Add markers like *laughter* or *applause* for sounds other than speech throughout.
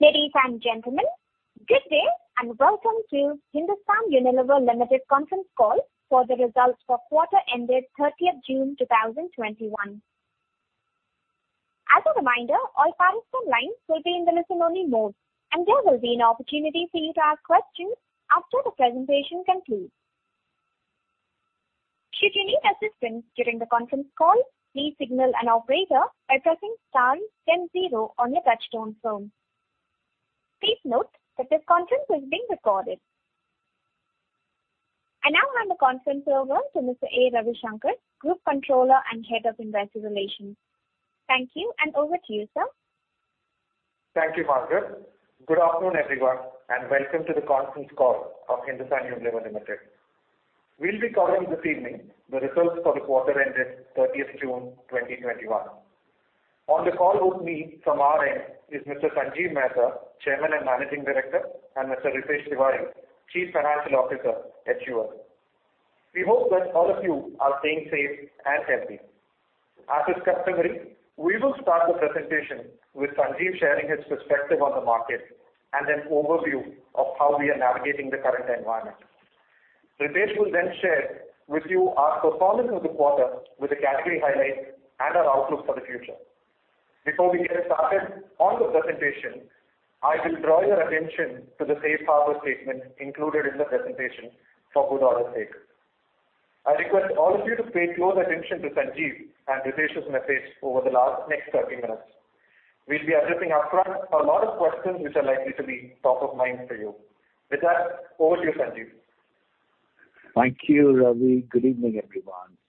Ladies and gentlemen, good day and welcome to Hindustan Unilever Limited conference call for the results for quarter ended 30th June 2021. As a reminder, all participants line will be in the listen-only mode. And there will be an opportunity for you to ask questions after the presentation conclude. Should you need assistance during the conference call, please signal the operator by pressing star, then zero on the touch-tone phone. Please note that this conference is being recorded. I now hand the conference over to Mr. A Ravishankar, Group Controller and Head of Investor Relations. Thank you, and over to you, sir. Thank you, [Margaret]. Good afternoon, everyone, and welcome to the conference call of Hindustan Unilever Limited. We'll be covering this evening the results for the quarter ended 30th June 2021. On the call with me from our end is Mr. Sanjiv Mehta, Chairman and Managing Director, and Mr. Ritesh Tiwari, Chief Financial Officer, HUL. We hope that all of you are staying safe and healthy. As is customary, we will start the presentation with Sanjiv sharing his perspective on the market and an overview of how we are navigating the current environment. Ritesh will then share with you our performance for the quarter with the category highlights and our outlook for the future. Before we get started on the presentation, I will draw your attention to the safe harbor statement included in the presentation for good order's sake. I request all of you to pay close attention to Sanjiv and Ritesh's message over the next 30 minutes. We'll be addressing upfront a lot of questions which are likely to be top of mind for you. With that, over to you, Sanjiv. Thank you, Ravi. Good evening, everyone,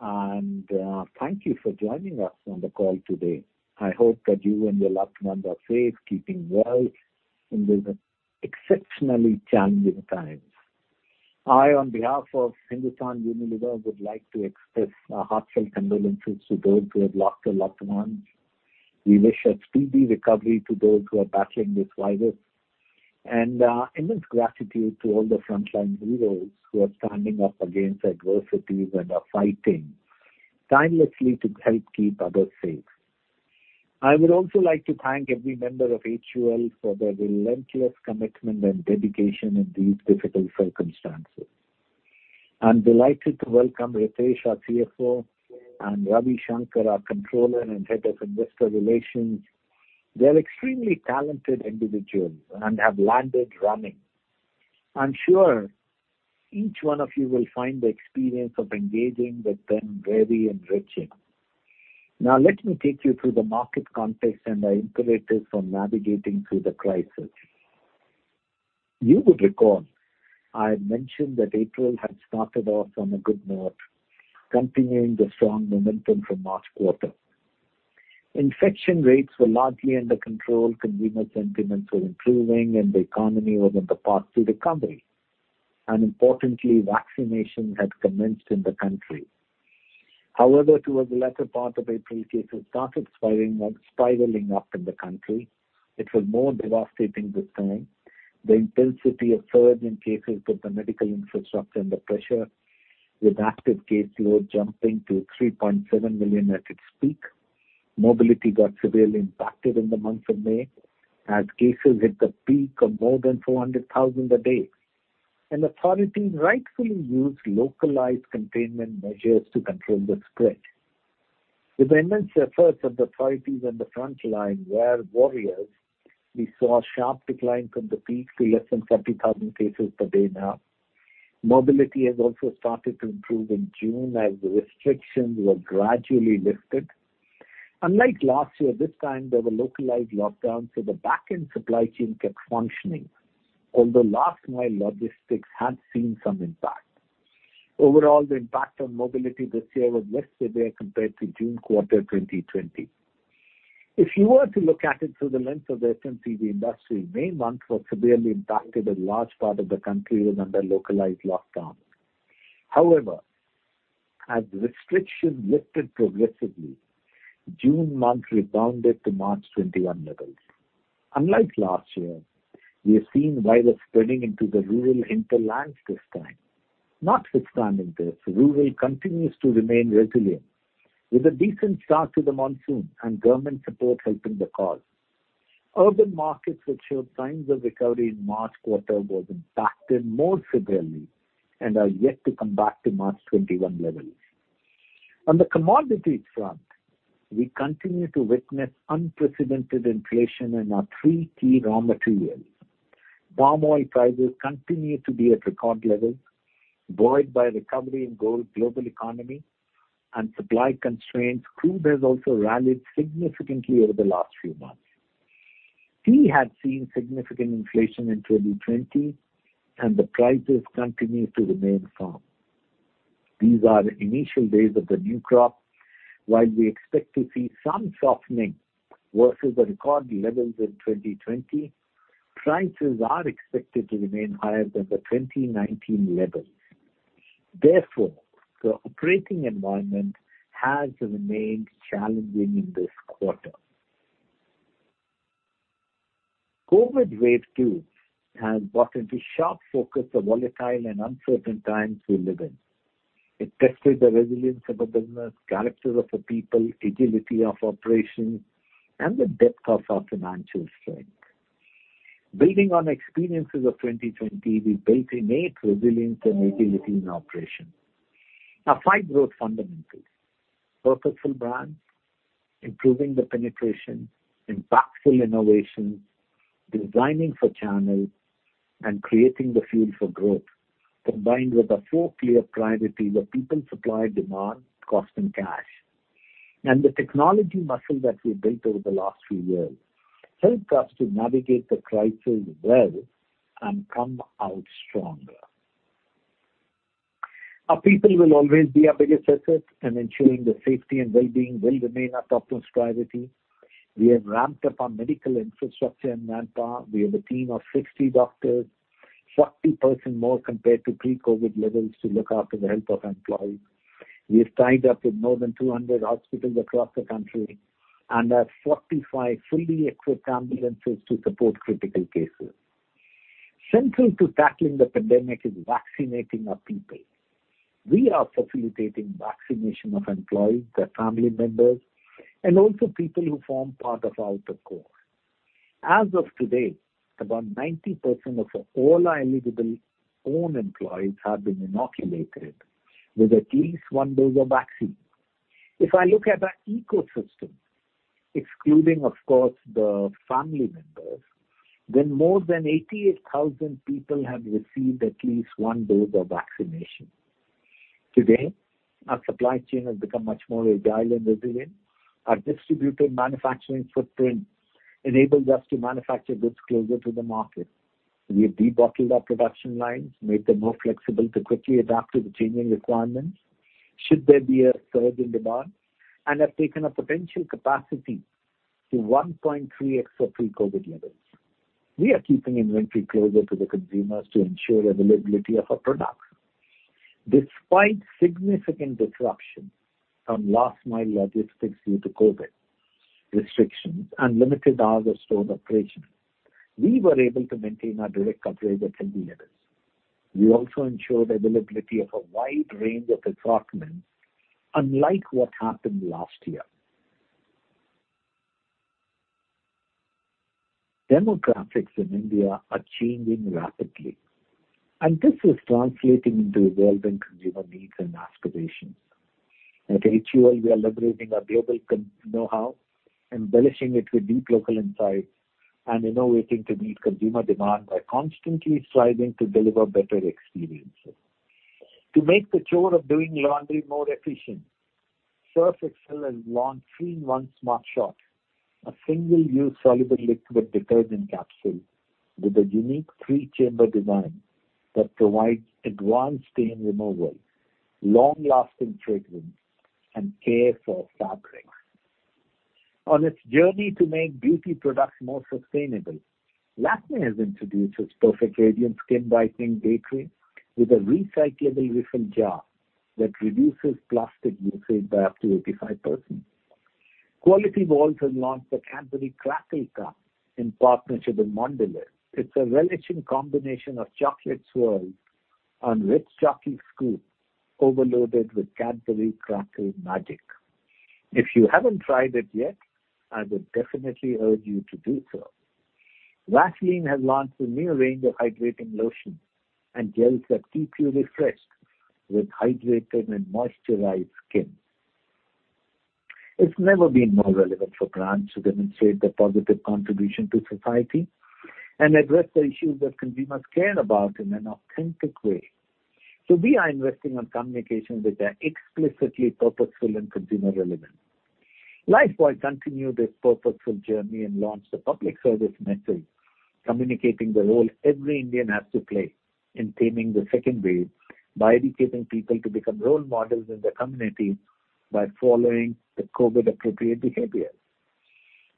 and thank you for joining us on the call today. I hope that you and your loved ones are safe, keeping well in these exceptionally challenging times. I, on behalf of Hindustan Unilever, would like to express our heartfelt condolences to those who have lost their loved ones. We wish a speedy recovery to those who are battling this virus and immense gratitude to all the frontline heroes who are standing up against adversity and are fighting tirelessly to help keep others safe. I would also like to thank every member of HUL for their relentless commitment and dedication in these difficult circumstances. I'm delighted to welcome Ritesh Tiwari, our CFO, and Ravishankar, our Controller and Head of Investor Relations. They're extremely talented individuals and have landed running. I'm sure each one of you will find the experience of engaging with them very enriching. Now let me take you through the market context and our imperatives on navigating through the crisis. You would recall I had mentioned that April had started off on a good note, continuing the strong momentum from last quarter. Infection rates were largely under control, consumer sentiments were improving, and the economy was on the path to recovery. Importantly, vaccination had commenced in the country. However, towards the latter part of April, cases started spiraling up in the country. It was more devastating this time. The intensity of surge in cases put the medical infrastructure under pressure, with active caseload jumping to 3.7 million at its peak. Mobility got severely impacted in the month of May as cases hit the peak of more than 400,000 a day. Authorities rightfully used localized containment measures to control the spread. With the immense efforts of the authorities and the frontline health warriors, we saw a sharp decline from the peak to less than 70,000 cases per day now. Mobility has also started to improve in June as the restrictions were gradually lifted. Unlike last year, this time there were localized lockdowns, so the back-end supply chain kept functioning. Although last mile logistics had seen some impact. Overall, the impact on mobility this year was less severe compared to June quarter 2020. If you were to look at it through the lens of FMCG industry, May month was severely impacted as a large part of the country was under localized lockdown. However, as restrictions lifted progressively, June month rebounded to March 2021 levels. Unlike last year, we are seeing virus spreading into the rural hinterlands this time. Notwithstanding this, rural continues to remain resilient with a decent start to the monsoon and government support helping the cause. Urban markets, which showed signs of recovery in March quarter, was impacted more severely and are yet to come back to March 2021 levels. On the commodities front, we continue to witness unprecedented inflation in our three key raw materials. Palm oil prices continue to be at record levels. Buoyed by recovery in global economy and supply constraints, crude has also rallied significantly over the last few months. Tea had seen significant inflation in 2020. The prices continue to remain firm. These are the initial days of the new crop. While we expect to see some softening versus the record levels in 2020, prices are expected to remain higher than the 2019 levels. The operating environment has remained challenging in this quarter. COVID-19 wave two has brought into sharp focus the volatile and uncertain times we live in. It tested the resilience of a business, character of the people, agility of operations, and the depth of our financial strength. Building on experiences of 2020, we built innate resilience and agility in operations. Our five growth fundamentals, purposeful brands, improving the penetration, impactful innovations, designing for channels, and creating the field for growth, combined with the four clear priorities of people, supply, demand, cost, and cash. The technology muscle that we've built over the last few years helps us to navigate the crisis well and come out stronger. Our people will always be our biggest asset, and ensuring their safety and wellbeing will remain our topmost priority. We have ramped up our medical infrastructure and manpower. We have a team of 60 doctors, 40% more compared to pre-COVID-19 levels, to look after the health of employees. We have tied up with more than 200 hospitals across the country and have 45 fully equipped ambulances to support critical cases. Central to tackling the pandemic is vaccinating our people. We are facilitating vaccination of employees, their family members, and also people who form part of our outer core. As of today, about 90% of all our eligible own employees have been inoculated with at least one dose of vaccine. If I look at our ecosystem, excluding, of course, the family members, then more than 88,000 people have received at least one dose of vaccination. Today, our supply chain has become much more agile and resilient. Our distributed manufacturing footprint enables us to manufacture goods closer to the market. We have debottlenecked our production lines, made them more flexible to quickly adapt to the changing requirements should there be a surge in demand, and have taken our potential capacity to 1.3x of pre-COVID levels. We are keeping inventory closer to the consumers to ensure availability of our products. Despite significant disruption from last-mile logistics due to COVID restrictions and limited hours of store operations, we were able to maintain our direct coverage at healthy levels. We also ensured availability of a wide range of assortments, unlike what happened last year. Demographics in India are changing rapidly, and this is translating into evolving consumer needs and aspirations. At HUL, we are leveraging our global know-how, embellishing it with deep local insights, and innovating to meet consumer demand by constantly striving to deliver better experiences. To make the chore of doing laundry more efficient, Surf excel has launched 3-in-1 Smart Shot, a single-use soluble liquid detergent capsule with a unique three-chamber design that provides advanced stain removal, long-lasting fragrance, and care for fabrics. On its journey to make beauty products more sustainable, Lakmé has introduced its Perfect Radiance Skin Brightening Day Cream with a recyclable refill jar that reduces plastic usage by up to 85%. Kwality Wall's has launched the Cadbury Crackle Tub in partnership with Mondelēz. It's a relishing combination of chocolate swirls and rich chocolate scoops overloaded with Cadbury Crackle magic. If you haven't tried it yet, I would definitely urge you to do so. Vaseline has launched a new range of hydrating lotions and gels that keep you refreshed with hydrated and moisturized skin. It's never been more relevant for brands to demonstrate their positive contribution to society and address the issues that consumers care about in an authentic way. We are investing on communications that are explicitly purposeful and consumer relevant. Lifebuoy continued its purposeful journey and launched a public service message communicating the role every Indian has to play in taming the second wave by educating people to become role models in their communities by following the COVID-appropriate behaviors.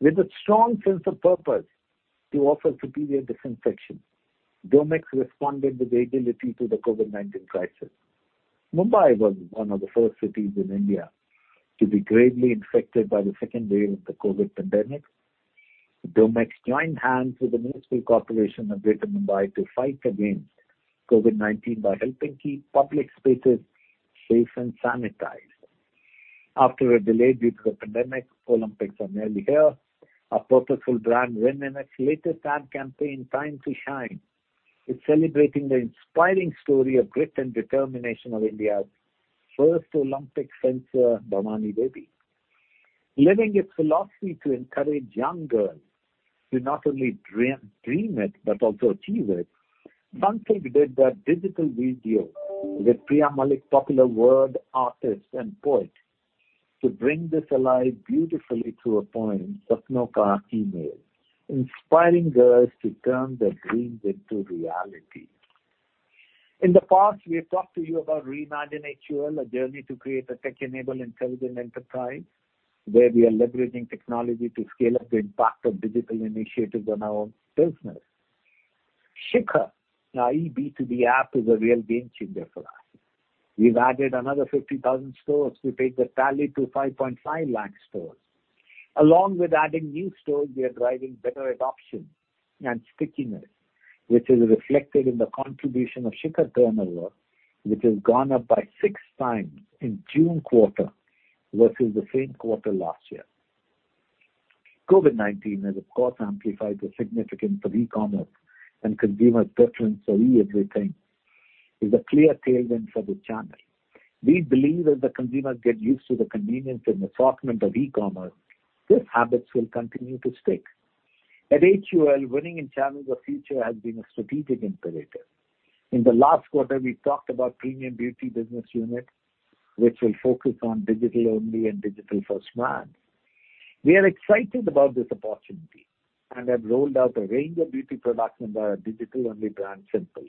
With a strong sense of purpose to offer superior disinfection, Domex responded with agility to the COVID-19 crisis. Mumbai was one of the first cities in India to be gravely infected by the second wave of the COVID pandemic. Domex joined hands with the Municipal Corporation of Greater Mumbai to fight against COVID-19 by helping keep public spaces safe and sanitized. After a delay due to the pandemic, Olympics are nearly here. Our purposeful brand, Rin, in its latest ad campaign, Time to Shine, is celebrating the inspiring story of grit and determination of India's first Olympic fencer, Bhawani Devi. Living its philosophy to encourage young girls to not only dream it, but also achieve it, Sunsilk did a digital video with Priya Malik, popular word artist and poet, to bring this alive beautifully through a poem, "Sapno Ka Email," inspiring girls to turn their dreams into reality. In the past, we have talked to you about Reimagine HUL, our journey to create a tech-enabled intelligent enterprise where we are leveraging technology to scale up the impact of digital initiatives on our business. Shikhar, our eB2B app is a real game changer for us. We've added another 50,000 stores to take the tally to 5.5 lakh stores. Along with adding new stores, we are driving better adoption and stickiness, which is reflected in the contribution of Shikhar turnover, which has gone up by 6x in June quarter versus the same quarter last year. COVID-19 has, of course, amplified the significance of e-commerce and consumer preference for e-everything, is a clear tailwind for the channel. We believe as the consumers get used to the convenience and assortment of e-commerce, these habits will continue to stick. At HUL, winning in channels of future has been a strategic imperative. In the last quarter, we talked about premium beauty business unit, which will focus on digital-only and digital-first brand. We are excited about this opportunity and have rolled out a range of beauty products under our digital-only brand, Simple.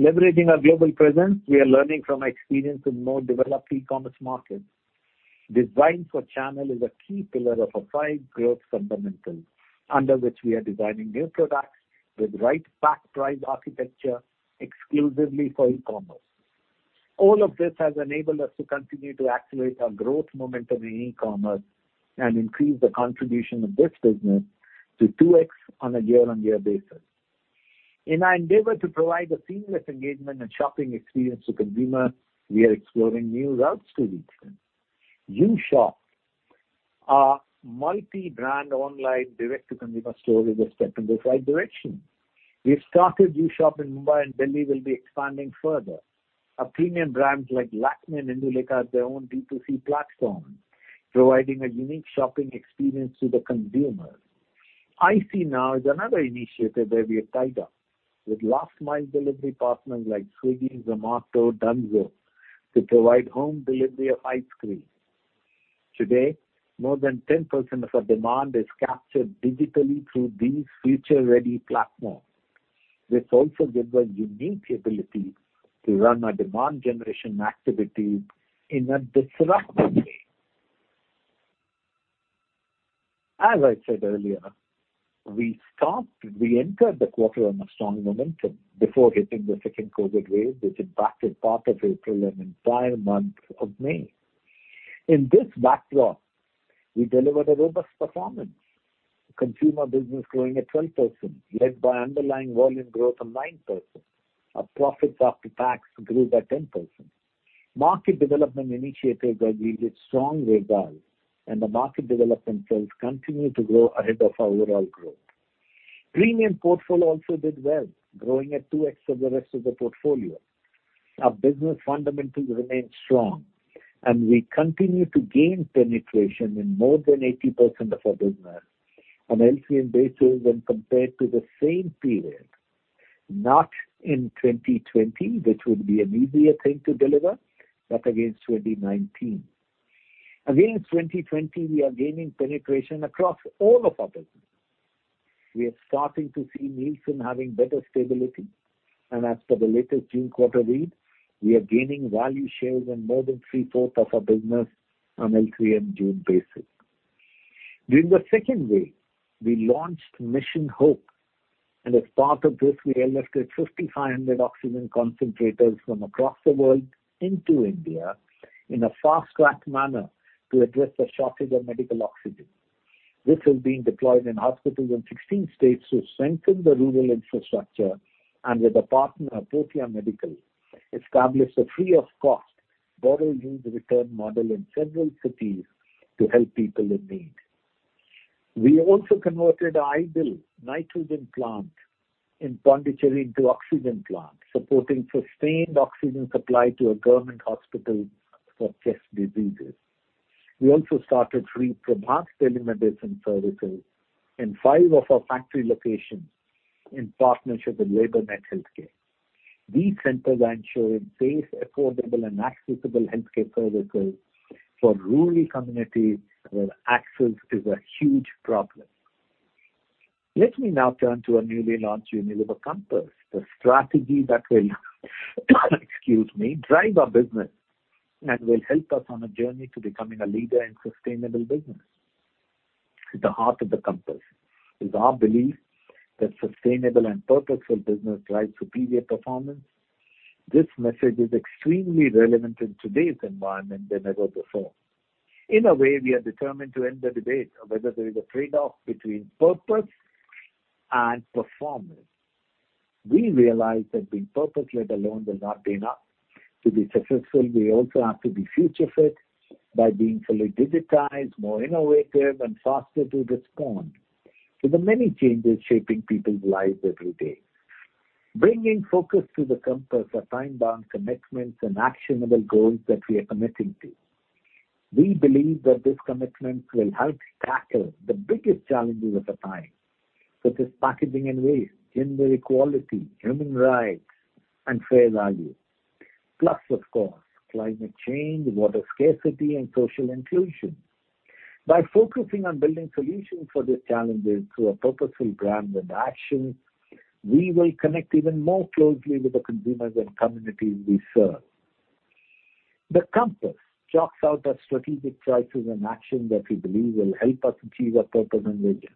Leveraging our global presence, we are learning from experience in more developed e-commerce markets. Design for channel is a key pillar of our five growth fundamentals, under which we are designing new products with right pack-price architecture exclusively for e-commerce. All of this has enabled us to continue to activate our growth momentum in e-commerce and increase the contribution of this business to 2x on a year-on-year basis. In our endeavor to provide a seamless engagement and shopping experience to consumers, we are exploring new routes to reach them. UShop, our multi-brand online direct-to-consumer store is a step in the right direction. We've started UShop in Mumbai and Delhi will be expanding further. Our premium brands like Lakmé and Indulekha have their own D2C platform, providing a unique shopping experience to the consumer. ICnow is another initiative where we have tied up with last-mile delivery partners like Swiggy, Zomato, Dunzo to provide home delivery of ice cream. Today, more than 10% of our demand is captured digitally through these future-ready platforms. This also gives us unique ability to run our demand generation activities in a disruptive way. As I said earlier, we entered the quarter on a strong momentum before hitting the second COVID-19 wave, which impacted part of April and entire month of May. In this backdrop, we delivered a robust performance. Consumer business growing at 12%, led by underlying volume growth of 9%. Our profits after tax grew by 10%. Market development initiatives are yielding strong results, and the market development sales continue to grow ahead of overall growth. Premium portfolio also did well, growing at 2x of the rest of the portfolio. Our business fundamentals remain strong, and we continue to gain penetration in more than 80% of our business on LTM basis when compared to the same period, not in 2020, which would be an easier thing to deliver, but against 2019. Against 2020, we are gaining penetration across all of our business. We are starting to see Nielsen having better stability, and as per the latest June quarter read, we are gaining value shares in more than 3/4 of our business on L3M June basis. During the second wave, we launched Mission HO2PE, and as part of this, we airlifted 5,500 oxygen concentrators from across the world into India in a fast-track manner to address the shortage of medical oxygen, which is being deployed in hospitals in 16 states to strengthen the rural infrastructure and with a partner, Portea Medical, established a free of cost borrow-use-return model in several cities to help people in need. We also converted our idle nitrogen plant in Pondicherry to oxygen plant, supporting sustained oxygen supply to a government hospital for chest diseases. We also started free Prabhat telemedicine services in five of our factory locations in partnership with LabourNet Healthcare. These centers are ensuring safe, affordable, and accessible healthcare services for rural communities where access is a huge problem. Let me now turn to our newly launched Unilever Compass, the strategy that will excuse me, drive our business and will help us on a journey to becoming a leader in sustainable business. At the heart of the compass is our belief that sustainable and purposeful business drive superior performance. This message is extremely relevant in today's environment than ever before. In a way, we are determined to end the debate of whether there is a trade-off between purpose and performance. We realize that being purpose-led alone will not be enough to be successful. We also have to be future fit by being fully digitized, more innovative, and faster to respond to the many changes shaping people's lives every day. Bringing focus to the compass are time-bound commitments and actionable goals that we are committing to. We believe that these commitments will help tackle the biggest challenges of our time, such as packaging and waste, gender equality, human rights, and fair value. Of course, climate change, water scarcity, and social inclusion. By focusing on building solutions for these challenges through a purposeful brand and actions, we will connect even more closely with the consumers and communities we serve. The Compass chalks out the strategic choices and action that we believe will help us achieve our purpose and vision.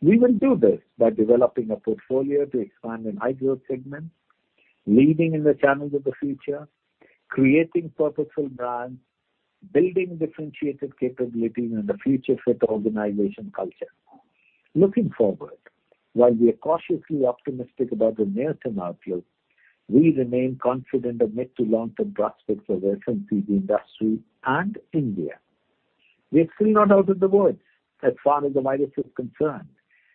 We will do this by developing a portfolio to expand in high-growth segments, leading in the channels of the future, creating purposeful brands, building differentiated capabilities, and a future-fit organization culture. Looking forward, while we are cautiously optimistic about the near-term outlook, we remain confident of mid to long-term prospects for the FMCG industry and India. We are still not out of the woods, as far as the virus is concerned.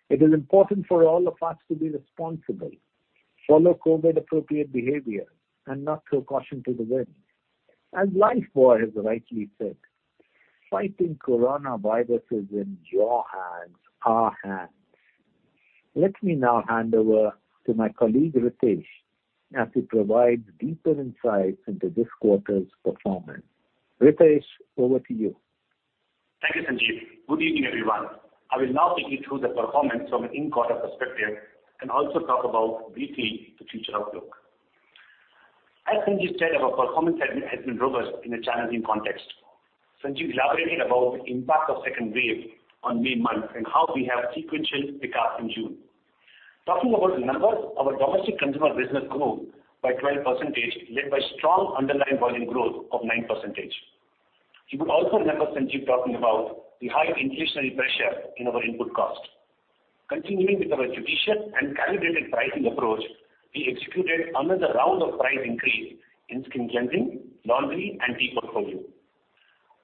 It is important for all of us to be responsible, follow COVID-appropriate behavior, and not throw caution to the wind. As Lifebuoy has rightly said, "Fighting coronavirus is in your hands, our hands." Let me now hand over to my colleague, Ritesh, as he provides deeper insights into this quarter's performance. Ritesh, over to you. Thank you, Sanjiv. Good evening, everyone. I will now take you through the performance from an in-quarter perspective and also talk about briefly the future outlook. As Sanjiv said, our performance has been robust in a challenging context. Sanjiv elaborated about the impact of second wave on May month and how we have sequential pick up in June. Talking about numbers, our domestic consumer business grew by 12%, led by strong underlying volume growth of 9%. You would also remember Sanjiv talking about the high inflationary pressure in our input cost. Continuing with our judicious and calibrated pricing approach, we executed another round of price increase in the skin cleansing, laundry, and tea portfolio.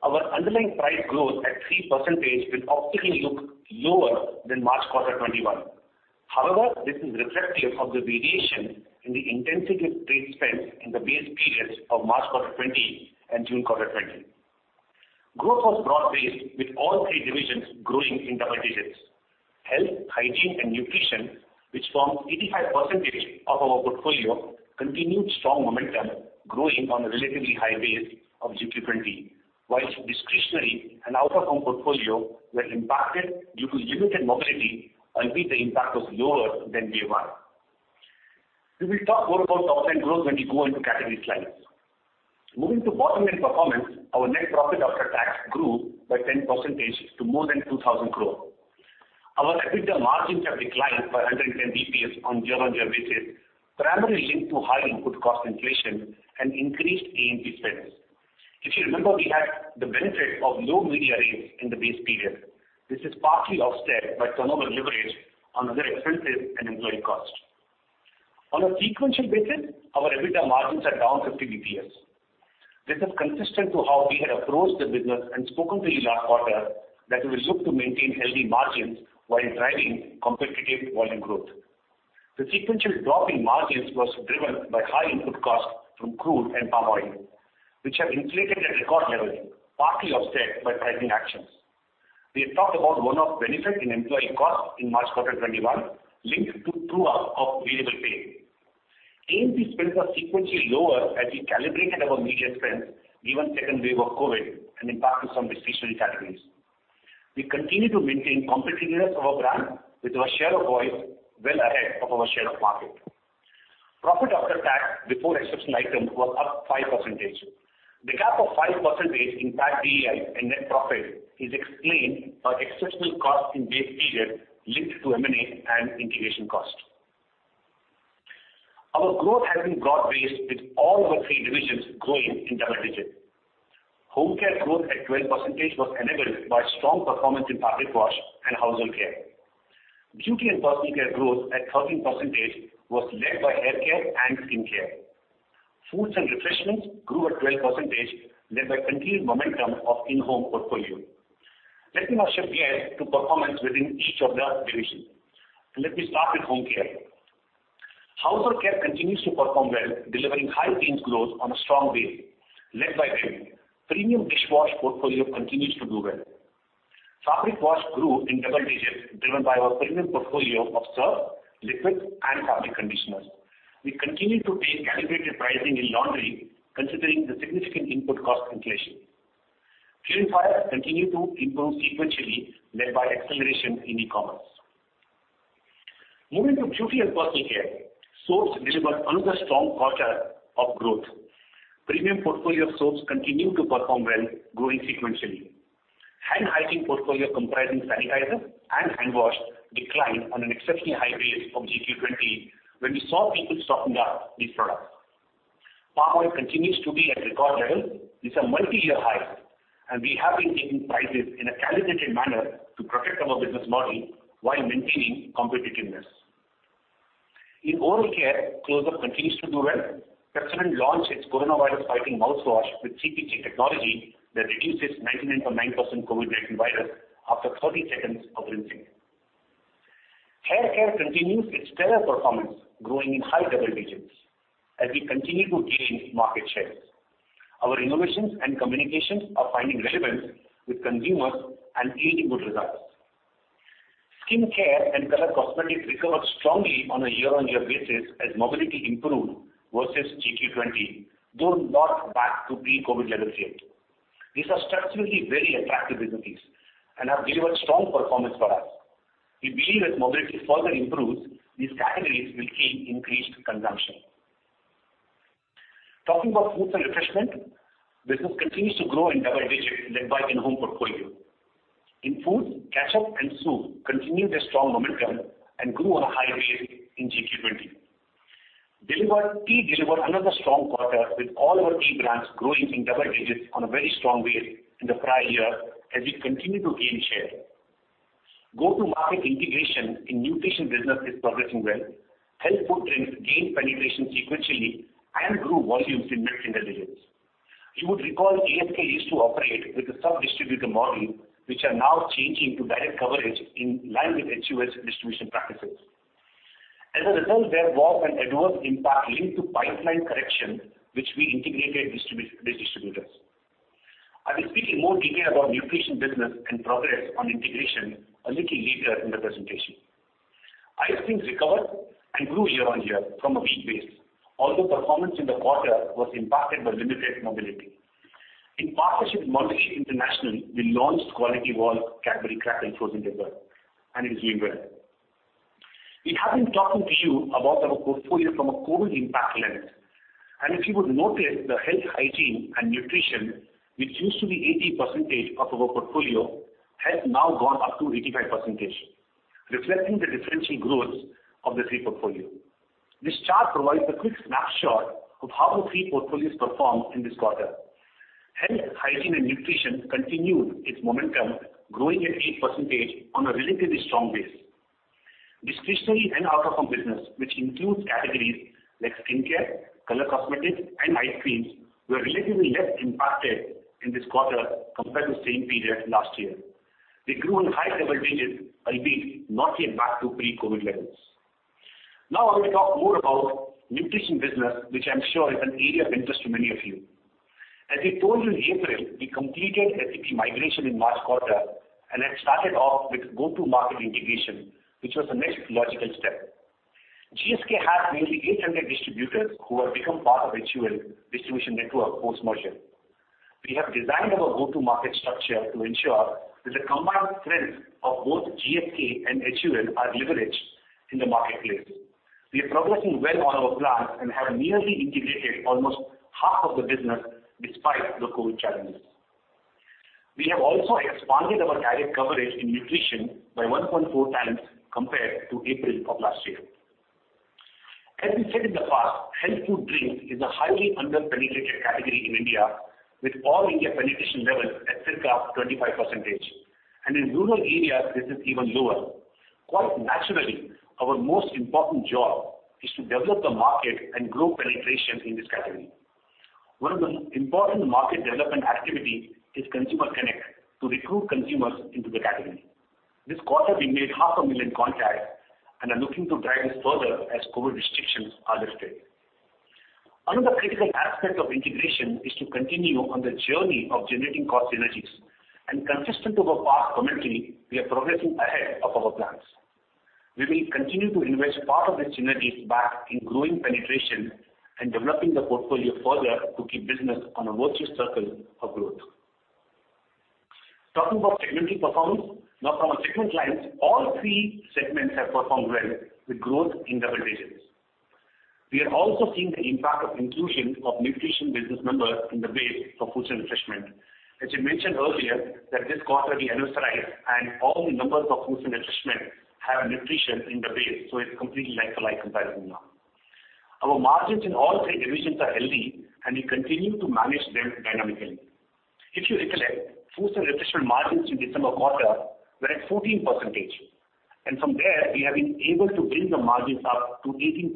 Our underlying price growth at 3% will optically look lower than March quarter 2021. This is reflective of the variation in the intensity trade spends in the base periods of March quarter 2020 and June quarter 2020. Growth was broad-based, with all three divisions growing in double digits. Health, hygiene, and nutrition, which forms 85% of our portfolio, continued strong momentum, growing on a relatively high base of JQ 2020. Whilst discretionary and out-of-home portfolio were impacted due to limited mobility, albeit the impact was lower than [Q1]. We will talk more about top-line growth when we go into category slides. Moving to bottom-line performance, our net profit after tax grew by 10% to more than 2,000 crore. Our EBITDA margins have declined by 110 basis points on a year-on-year basis, primarily linked to high input cost inflation and increased A&P spends. If you remember, we had the benefit of low media rates in the base period. This is partly offset by turnover leverage on other expenses and employee cost. On a sequential basis, our EBITDA margins are down 50 basis points. This is consistent to how we had approached the business and spoken to you last quarter that we will look to maintain healthy margins while driving competitive volume growth. The sequential drop in margins was driven by high input costs from crude and palm oil, which have inflated at record levels, partly offset by pricing actions. We had talked about one-off benefit in employee cost in March quarter 2021, linked to true-up of variable pay. A&P spends are sequentially lower as we calibrated our media spends given second wave of COVID and impact to some discretionary categories. We continue to maintain competitiveness of our brand with our share of voice well ahead of our share of market. Profit after tax before exceptional item was up 5%. The gap of 5% in PAT BEI and net profit is explained by exceptional cost in base period linked to M&A and integration cost. Our growth has been broad-based with all our three divisions growing in double digits. Home Care growth at 12% was enabled by strong performance in fabric wash and household care. Beauty and Personal Care growth at 13% was led by hair care and skin care. Foods and Refreshments grew at 12%, led by continued momentum of in-home portfolio. Let me now shift gears to performance within each of the division. Let me start with Home Care. Household care continues to perform well, delivering high teens growth on a strong base, led by premium. Premium dishwasher portfolio continues to do well. Fabric wash grew in double digits, driven by our premium portfolio of Surf, liquid, and fabric conditioners. We continue to take calibrated pricing in laundry, considering the significant input cost inflation. Purifiers continue to improve sequentially, led by acceleration in e-commerce. Moving to Beauty and Personal Care. Soaps delivered another strong quarter of growth. Premium portfolio of soaps continued to perform well, growing sequentially. Hand hygiene portfolio comprising sanitizers and hand wash declined on an exceptionally high base of JQ 2020 when we saw people stocking up these products. Palm oil continues to be at record level. These are multi-year highs, and we have been taking prices in a calibrated manner to protect our business model while maintaining competitiveness. In oral care, Closeup continues to do well. Pepsodent launched its coronavirus-fighting mouthwash with CPC technology that reduces 99.9% COVID-19 virus after 30 seconds of rinsing. Hair care continues its stellar performance, growing in high double digits as we continue to gain market share. Our innovations and communications are finding relevance with consumers and yielding good results. Skin care and color cosmetics recovered strongly on a year-on-year basis as mobility improved versus JQ 2020, though not back to pre-COVID levels yet. These are structurally very attractive businesses and have delivered strong performance for us. We believe as mobility further improves, these categories will see increased consumption. Talking about Foods and Refreshment, business continues to grow in double digits led by in-home portfolio. In foods, ketchup and soup continued their strong momentum and grew on a high rate in Q2 2020. Tea delivered another strong quarter with all our tea brands growing in double digits on a very strong base in the prior year, as we continue to gain share. Go-to-market integration in nutrition business is progressing well. Health food drinks gained penetration sequentially and grew volumes in mid-single digits. You would recall GSK used to operate with a sub-distributor model, which are now changing to direct coverage in line with HUL's distribution practices. As a result, there was an adverse impact linked to pipeline correction, which we integrated with distributors. I will speak in more detail about nutrition business and progress on integration a little later in the presentation. Ice cream recovered and grew year-over-year from a weak base, although performance in the quarter was impacted by limited mobility. In partnership with Mondelēz International, we launched Kwality Wall's Cadbury Crackle frozen dessert, and it is doing well. We have been talking to you about our portfolio from a COVID impact lens, and if you would notice, the health, hygiene, and nutrition, which used to be 80% of our portfolio, has now gone up to 85%, reflecting the differential growths of the three portfolio. This chart provides a quick snapshot of how the three portfolios performed in this quarter. Health, hygiene, and nutrition continued its momentum, growing at 8% on a relatively strong base. Discretionary and out-of-home business, which includes categories like skincare, color cosmetics, and ice creams, were relatively less impacted in this quarter compared to the same period last year. They grew in high double-digits, albeit not yet back to pre-COVID levels. Now I will talk more about nutrition business, which I'm sure is an area of interest to many of you. As we told you in April, we completed SAP migration in March quarter and had started off with go-to-market integration, which was the next logical step. GSK has nearly 800 distributors who have become part of HUL distribution network post-merger. We have designed our go-to-market structure to ensure that the combined strengths of both GSK and HUL are leveraged in the marketplace. We are progressing well on our plans and have nearly integrated almost half of the business despite the COVID challenges. We have also expanded our direct coverage in nutrition by 1.4x compared to April of last year. As we said in the past, health food drinks is a highly under-penetrated category in India, with all India penetration levels at circa 25%. In rural areas, this is even lower. Quite naturally, our most important job is to develop the market and grow penetration in this category. One of the important market development activity is consumer connect to recruit consumers into the category. This quarter, we made 500,000 contacts and are looking to drive this further as COVID restrictions are lifted. Another critical aspect of integration is to continue on the journey of generating cost synergies. Consistent over past commentary, we are progressing ahead of our plans. We will continue to invest part of these synergies back in growing penetration and developing the portfolio further to keep business on a virtuous circle of growth. Talking about segmenting performance. From a segment lens, all three segments have performed well with growth in double digits. We are also seeing the impact of inclusion of nutrition business numbers in the base for Foods and Refreshment. As we mentioned earlier that this quarter we annualized and all numbers of Foods and Refreshment have nutrition in the base, so it's completely like for like comparison now. Our margins in all three divisions are healthy, and we continue to manage them dynamically. If you recollect, Foods and Refreshment margins in December quarter were at 14%, and from there, we have been able to build the margins up to 18%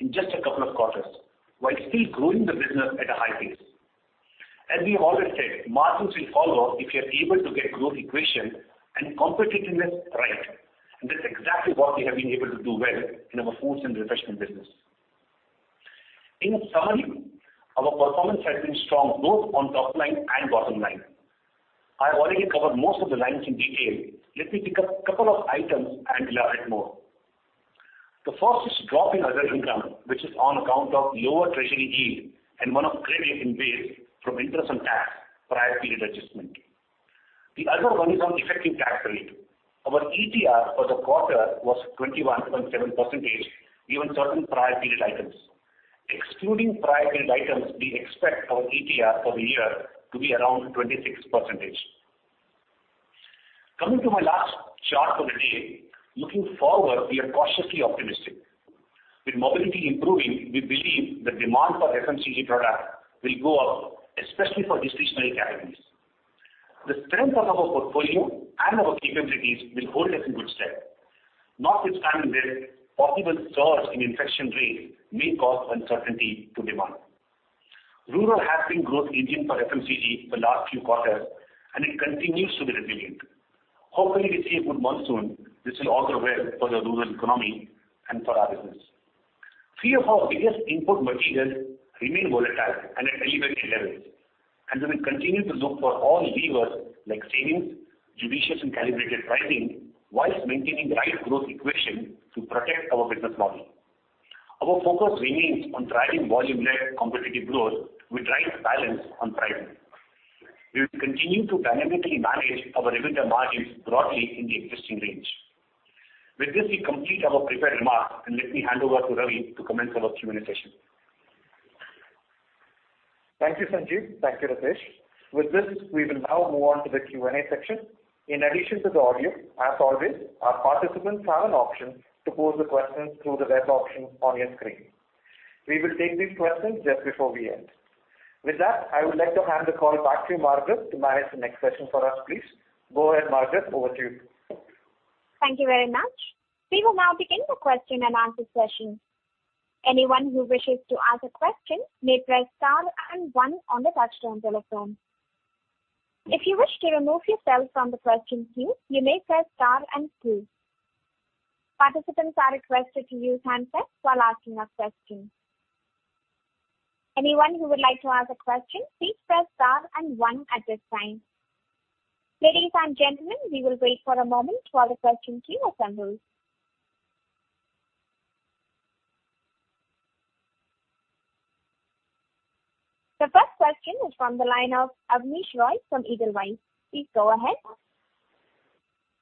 in just a couple of quarters, while still growing the business at a high pace. As we have always said, margins will follow if you are able to get growth equation and competitiveness right, and that's exactly what we have been able to do well in our Foods and Refreshment business. In summary, our performance has been strong both on top line and bottom line. I've already covered most of the lines in detail. Let me pick up a couple of items and elaborate more. The first is drop in other income, which is on account of lower treasury yield and one-off credit in base from interest and tax prior period adjustment. The other one is on effective tax rate. Our ETR for the quarter was 21.7%, given certain prior period items. Excluding prior period items, we expect our ETR for the year to be around 26%. Coming to my last chart for the day. Looking forward, we are cautiously optimistic. With mobility improving, we believe the demand for FMCG product will go up, especially for discretionary categories. The strength of our portfolio and our capabilities will hold us in good stead. Notwithstanding this, possible surge in infection rates may cause uncertainty to demand. Rural has been growth engine for FMCG for last few quarters, and it continues to be resilient. Hopefully, we see a good monsoon. This will also help for the rural economy and for our business. Three of our biggest input materials remain volatile and at elevated levels, and we will continue to look for all levers like savings, judicious and calibrated pricing whilst maintaining the right growth equation to protect our business model. Our focus remains on driving volume-led competitive growth with the right balance on pricing. We will continue to dynamically manage our EBITDA margins broadly in the existing range. With this, we complete our prepared remarks, and let me hand over to Ravi to commence our Q&A session. Thank you, Sanjiv. Thank you, Ritesh. With this, we will now move on to the Q&A section. In addition to the audio, as always, our participants have an option to pose the questions through the web option on your screen. We will take these questions just before we end. With that, I would like to hand the call back to [Margaret] to manage the next session for us, please. Go ahead, [Margaret]. Over to you. Thank you very much. We will now begin the question and answer session. Anyone who wishes to ask a question may press star and one on the touchtone telephone. If you wish to remove yourself from the question queue, you may press star and two. Participants are requested to use handsets while asking a question. Anyone who would like to ask a question, please press star and one at this time. Ladies and gentlemen, we will wait for a moment while the question queue assembles. The first question is from the line of Abneesh Roy from Edelweiss. Please go ahead.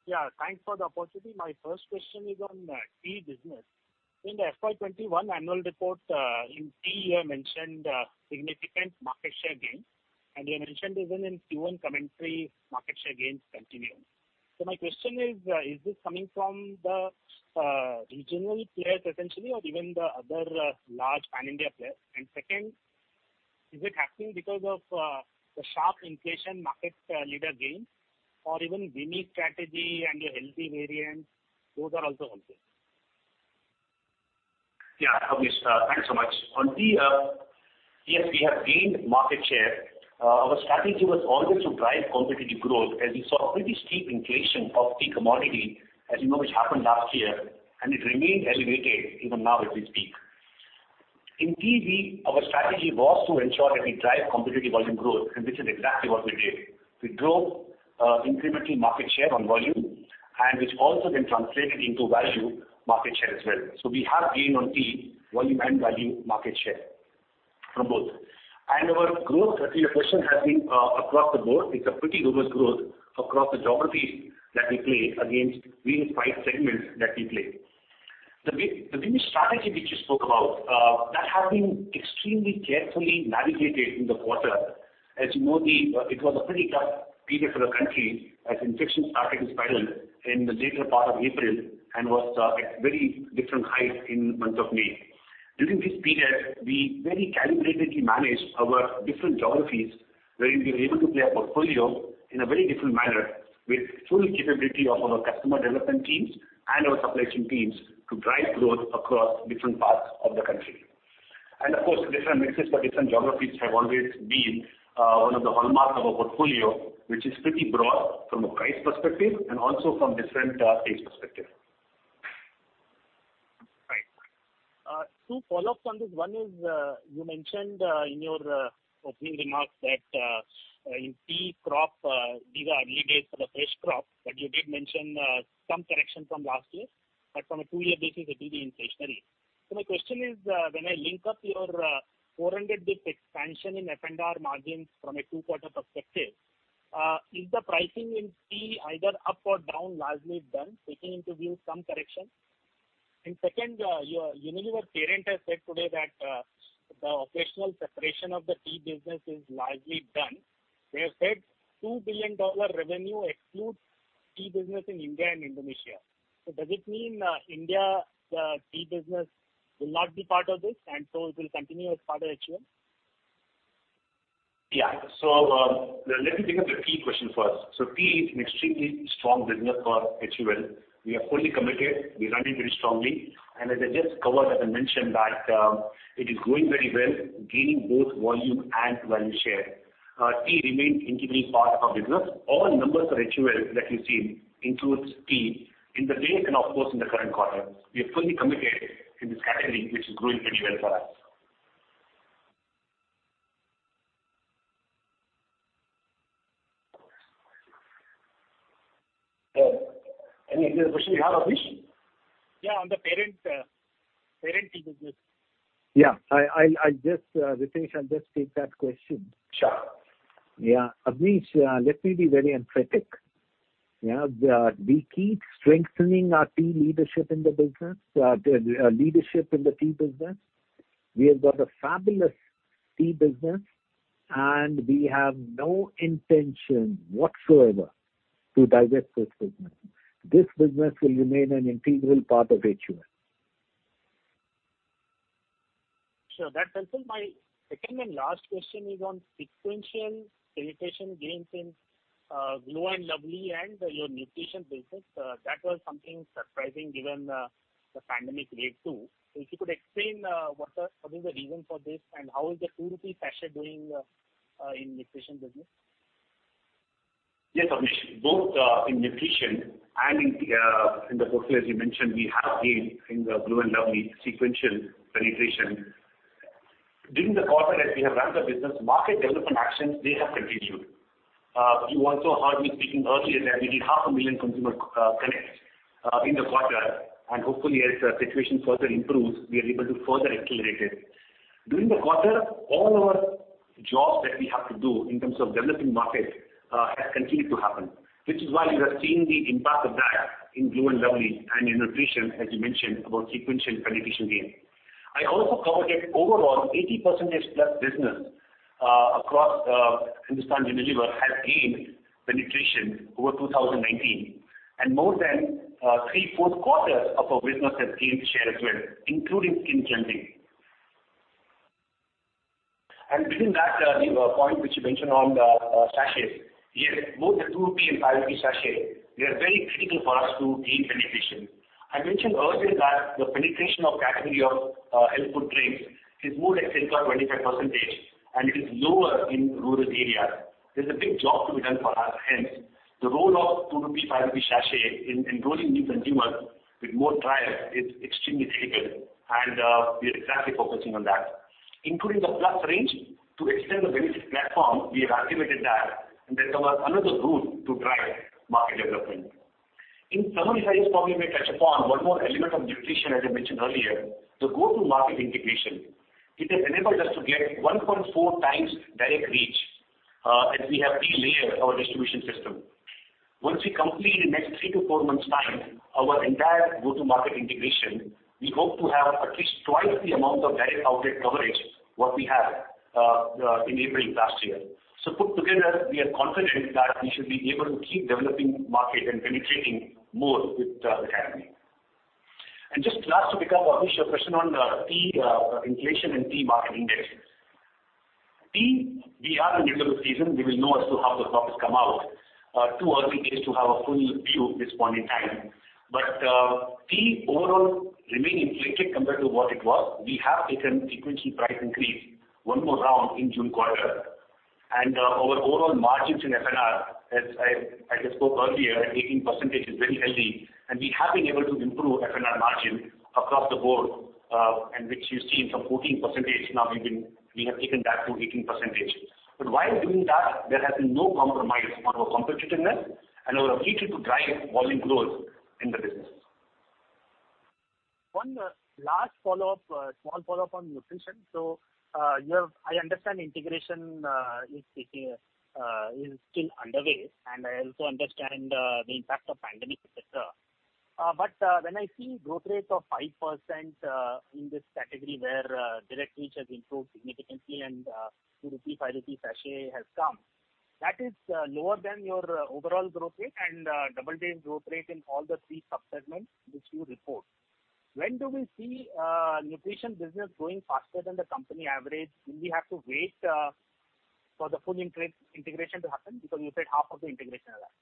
Yeah. Thanks for the opportunity. My first question is on tea business. In the FY 2021 annual report, in tea you mentioned significant market share gains, and you mentioned even in Q1 commentary, market share gains continuing. My question is this coming from the regional players essentially, or even the other large pan-India players? Second, is it happening because of the sharp inflation market leader gains or even WiMI strategy and your healthy variants, those are also helping? Abneesh, thanks so much. On tea, we have gained market share. Our strategy was always to drive competitive growth as we saw pretty steep inflation of tea commodity, as you know, which happened last year, and it remains elevated even now at this peak. In tea, our strategy was to ensure that we drive competitive volume growth, and this is exactly what we did. We grew incremental market share on volume, and which also then translated into value market share as well. We have gained on tea volume and value market share from both. Your question has been across the board, it's a pretty robust growth across the geographies that we play against various price segments that we play. The WiMi strategy which you spoke about, that has been extremely carefully navigated in the quarter. As you know, it was a pretty tough period for the country as infections started to spiral in the later part of April and was at very different heights in month of May. During this period, we very calibratedly managed our different geographies, wherein we were able to play our portfolio in a very different manner with full capability of our customer development teams and our supply chain teams to drive growth across different parts of the country. Of course, different mixes for different geographies have always been one of the hallmarks of our portfolio, which is pretty broad from a price perspective and also from different taste perspective. Right. Two follow-ups on this. One is, you mentioned in your opening remarks that in tea crop, these are early days for the fresh crop, but you did mention some correction from last year, but from a two-year basis, it is inflationary. My question is, when I link up your 400 basis points expansion in F&R margins from a two-quarter perspective, is the pricing in tea either up or down largely done, taking into view some correction? Second, your Unilever parent has said today that the operational separation of the tea business is largely done. They have said INR 2 billion revenue excludes tea business in India and Indonesia. Does it mean India tea business will not be part of this and so it will continue as part of HUL? Let me take up the tea question first. Tea is an extremely strong business for HUL. We are fully committed. We run it very strongly. As I just covered, as I mentioned that it is growing very well, gaining both volume and value share. Tea remains integral part of our business. All numbers for HUL that you have seen includes tea in the base and of course in the current quarter. We are fully committed in this category, which is growing very well for us. Any other question you have, Abneesh? Yeah, on the parent tea business. Yeah. Ritesh, I'll just take that question. Sure. Yeah. Abneesh, let me be very emphatic. We keep strengthening our team leadership in the business, our leadership in the tea business. We have got a fabulous tea business, and we have no intention whatsoever to divest this business. This business will remain an integral part of HUL. Sure. That answers my second and last question is on sequential penetration gains in Glow & Lovely and your nutrition business. That was something surprising given the pandemic wave two. If you could explain what is the reason for this and how is the 2 rupee sachet doing in nutrition business? Yes, Abneesh. Both in nutrition and in the portfolio, as you mentioned, we have gained in the Glow & Lovely sequential penetration. During the quarter, as we have ramped up business, market development actions, they have continued. You also heard me speaking earlier that we did half a million consumer connects in the quarter. Hopefully as the situation further improves, we are able to further accelerate it. During the quarter, all our jobs that we have to do in terms of developing markets has continued to happen, which is why you are seeing the impact of that in Glow & Lovely and in nutrition, as you mentioned, about sequential penetration gain. I also covered that overall, 80%+ business across Hindustan Unilever has gained penetration over 2019. More than 3/4 quarters of our business has gained share as well, including skin cleansing. Within that, the point which you mentioned on the sachets, yes, both the 2 and 5 sachet, they are very critical for us to gain penetration. I mentioned earlier that the penetration of category of health food drinks is more like say 25%, and it is lower in rural areas. There's a big job to be done for us, hence, the role of 2 rupee, 5 rupee sachet in enrolling new consumers with more trials is extremely critical, and we are exactly focusing on that. Including the plus range to extend the benefit platform, we have activated that and that's our another route to drive market development. In summary, if I just probably may touch upon one more element of nutrition as I mentioned earlier, the go-to-market integration. It has enabled us to get 1.4x direct reach, as we have de-layered our distribution system. Once we complete in next three to four months' time, our entire go-to-market integration, we hope to have at least twice the amount of direct outlet coverage what we have in April last year. Put together, we are confident that we should be able to keep developing market and penetrating more with the category. Just last to pick up, Abneesh, your question on tea inflation and tea marketing mix. Tea, we are in the middle of season, we will know as to how those numbers come out. Too early days to have a full view at this point in time. Tea overall remain inflated compared to what it was. We have taken sequential price increase one more round in June quarter. Our overall margins in F&R, as I just spoke earlier, at 18% is very healthy, we have been able to improve F&R margin across the board, which you've seen from 14%, now we have taken that to 18%. While doing that, there has been no compromise on our competitiveness and our ability to drive volume growth in the business. One last small follow-up on nutrition. I understand integration is still underway, and I also understand the impact of pandemic, et cetera. When I see growth rate of 5% in this category where direct reach has improved significantly and 2 rupee, 5 rupee sachet has come, that is lower than your overall growth rate and double-digit growth rate in all the three sub-segments which you report. When do we see nutrition business growing faster than the company average? Will we have to wait for the full integration to happen? You said half of the integration has happened.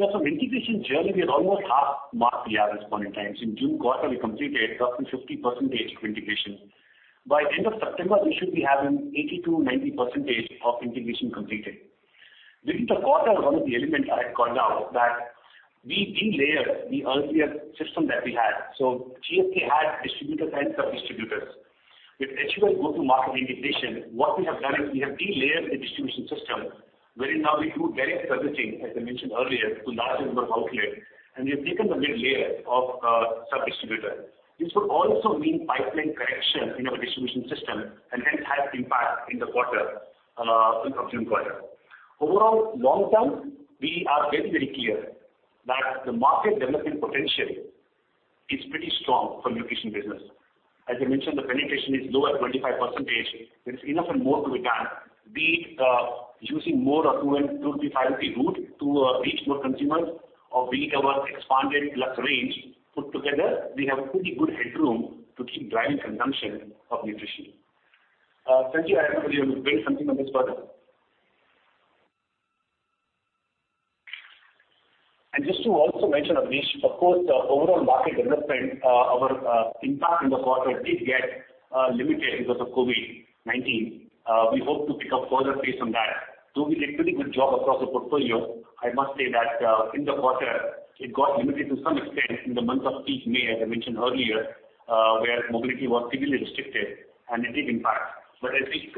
Yeah. Integration journey, we are almost half-mark we are at this point in time. In June quarter, we completed roughly 50% of integration. By the end of September, we should be having 80%-90% of integration completed. Within the quarter, one of the elements I had called out that we de-layered the earlier system that we had. GSK had distributors and sub-distributors. With HUL go-to-market integration, what we have done is we have de-layered the distribution system, wherein now we do direct servicing, as I mentioned earlier, to large number of outlet, and we have taken the mid-layer of sub-distributor. This would also mean pipeline correction in our distribution system and hence had impact in the quarter, in the June quarter. Overall, long-term, we are very, very clear that the market development potential is pretty strong for nutrition business. As I mentioned, the penetration is low at 25%, there is enough and more to be done, be it using more of INR 2-INR 5 route to reach more consumers or be it our expanded plus range. Put together, we have pretty good headroom to keep driving consumption of nutrition. Sanjiv, I hand over to you to build something on this further? Just to also mention, Abneesh Roy, of course, overall market development, our impact in the quarter did get limited because of COVID-19. We hope to pick up further pace on that. We did pretty good job across the portfolio, I must say that in the quarter, it got limited to some extent in the months of peak May, as I mentioned earlier, where mobility was severely restricted, and it did impact. I think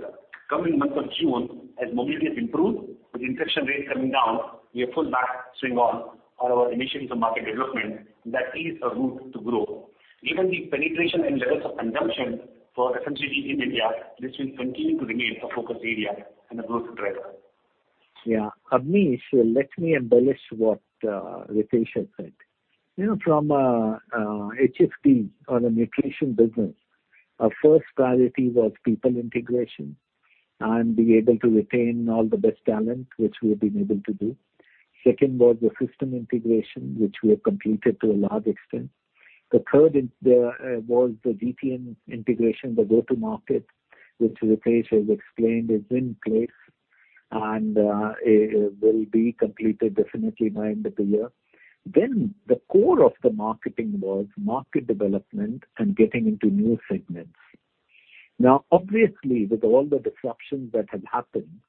coming month of June, as mobility has improved, with infection rates coming down, we have full back swing on all our initiatives on market development, and that is a route to grow. Given the penetration and levels of consumption for FMCG in India, this will continue to remain a focus area and a growth driver. Yeah. Abneesh, let me embellish what Ritesh has said. From HFD or the nutrition business, our first priority was people integration and being able to retain all the best talent, which we've been able to do. Second was the system integration, which we have completed to a large extent. The third was the GTM integration, the go-to-market, which Ritesh has explained, is in place and will be completed definitely by end of the year. The core of the marketing was market development and getting into new segments. Obviously, with all the disruptions that have happened,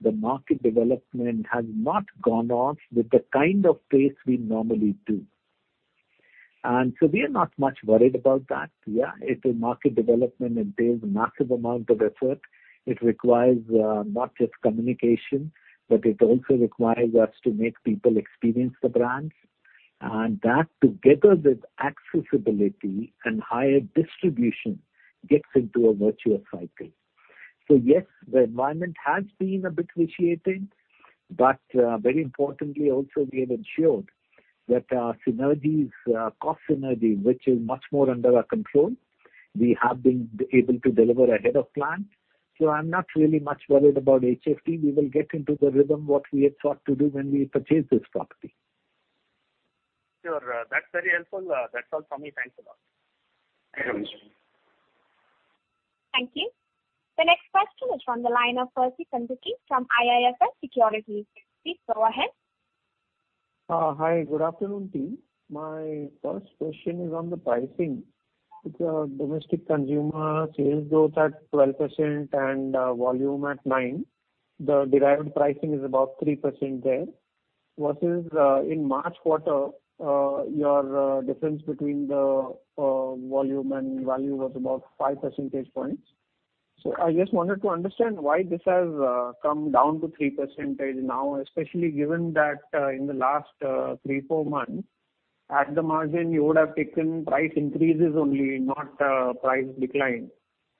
the market development has not gone off with the kind of pace we normally do. We are not much worried about that. It's a market development. It takes massive amount of effort. It requires not just communication, but it also requires us to make people experience the brands. That, together with accessibility and higher distribution, gets into a virtuous cycle. Yes, the environment has been a bit vitiated, but very importantly, also, we have ensured that our synergies, our cost synergies, which is much more under our control, we have been able to deliver ahead of plan. I'm not really much worried about HFD. We will get into the rhythm what we had sought to do when we purchased this property. Sure. That's very helpful. That's all from me. Thanks a lot. Thank you. Thank you. The next question is from the line of Percy Panthaki from IIFL Securities. Please go ahead. Hi. Good afternoon, team. My first question is on the pricing. With the domestic consumer sales growth at 12% and volume at 9%, the derived pricing is about 3% there, versus in March quarter, your difference between the volume and value was about 5 percentage points. I just wanted to understand why this has come down to 3% now, especially given that in the last three to four months, at the margin, you would have taken price increases only, not price decline.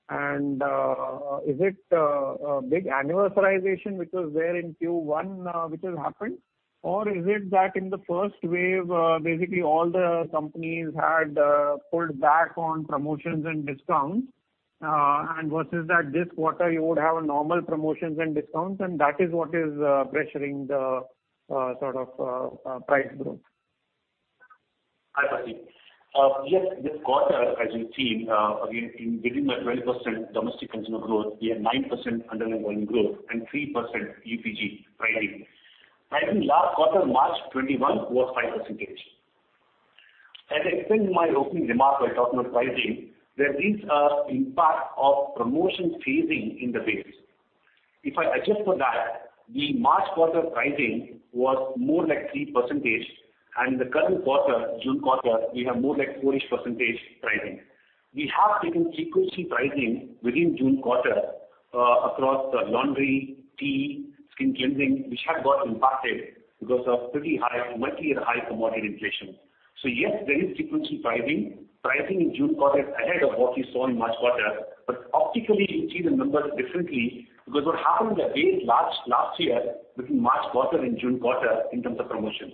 Is it a big annualization which was there in Q1 which has happened? Is it that in the first wave, basically all the companies had pulled back on promotions and discounts, and versus that this quarter you would have a normal promotions and discounts, and that is what is pressuring the price growth? Hi, Percy. Yes, this quarter, as you've seen, again, within the 12% domestic consumer growth, we have 9% underlying volume growth and 3% UPG pricing. I think last quarter, March 2021 was 5%. As I explained in my opening remarks while talking of pricing, there is a impact of promotion phasing in the base. If I adjust for that, the March quarter pricing was more like 3%, and the current quarter, June quarter, we have more like 4-ish % pricing. We have taken frequency pricing within June quarter across laundry, tea, skin cleansing, which have got impacted because of pretty high, multi-year high commodity inflation. Yes, there is frequency pricing. Pricing in June quarter is ahead of what we saw in March quarter. Optically, you see the numbers differently because what happened the base last year between March quarter and June quarter in terms of promotions.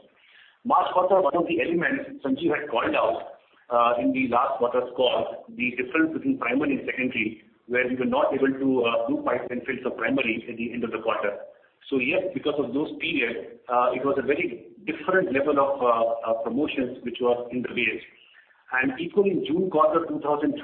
March quarter, one of the elements Sanjiv had called out in the last quarter's call, the difference between primary and secondary, where we were not able to do [price and fills] of primary at the end of the quarter. Yes, because of those period, it was a very different level of promotions which was in the base. Equally in June quarter 2020,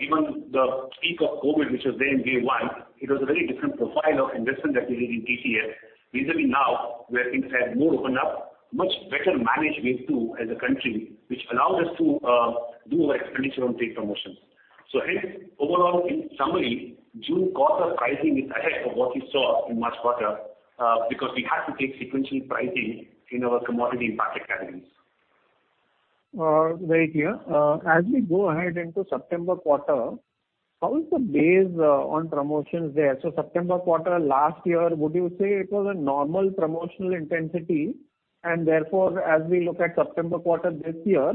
given the peak of COVID-19 which was there in wave one, it was a very different profile of investment that we did in TCAS. Recently now, where things have more opened up, much better managed wave two as a country, which allowed us to do our expenditure on trade promotions. Hence, overall, in summary, June quarter pricing is ahead of what we saw in March quarter, because we had to take sequential pricing in our commodity impact categories. Very clear. As we go ahead into September quarter, how is the base on promotions there? September quarter last year, would you say it was a normal promotional intensity, and therefore, as we look at September quarter this year,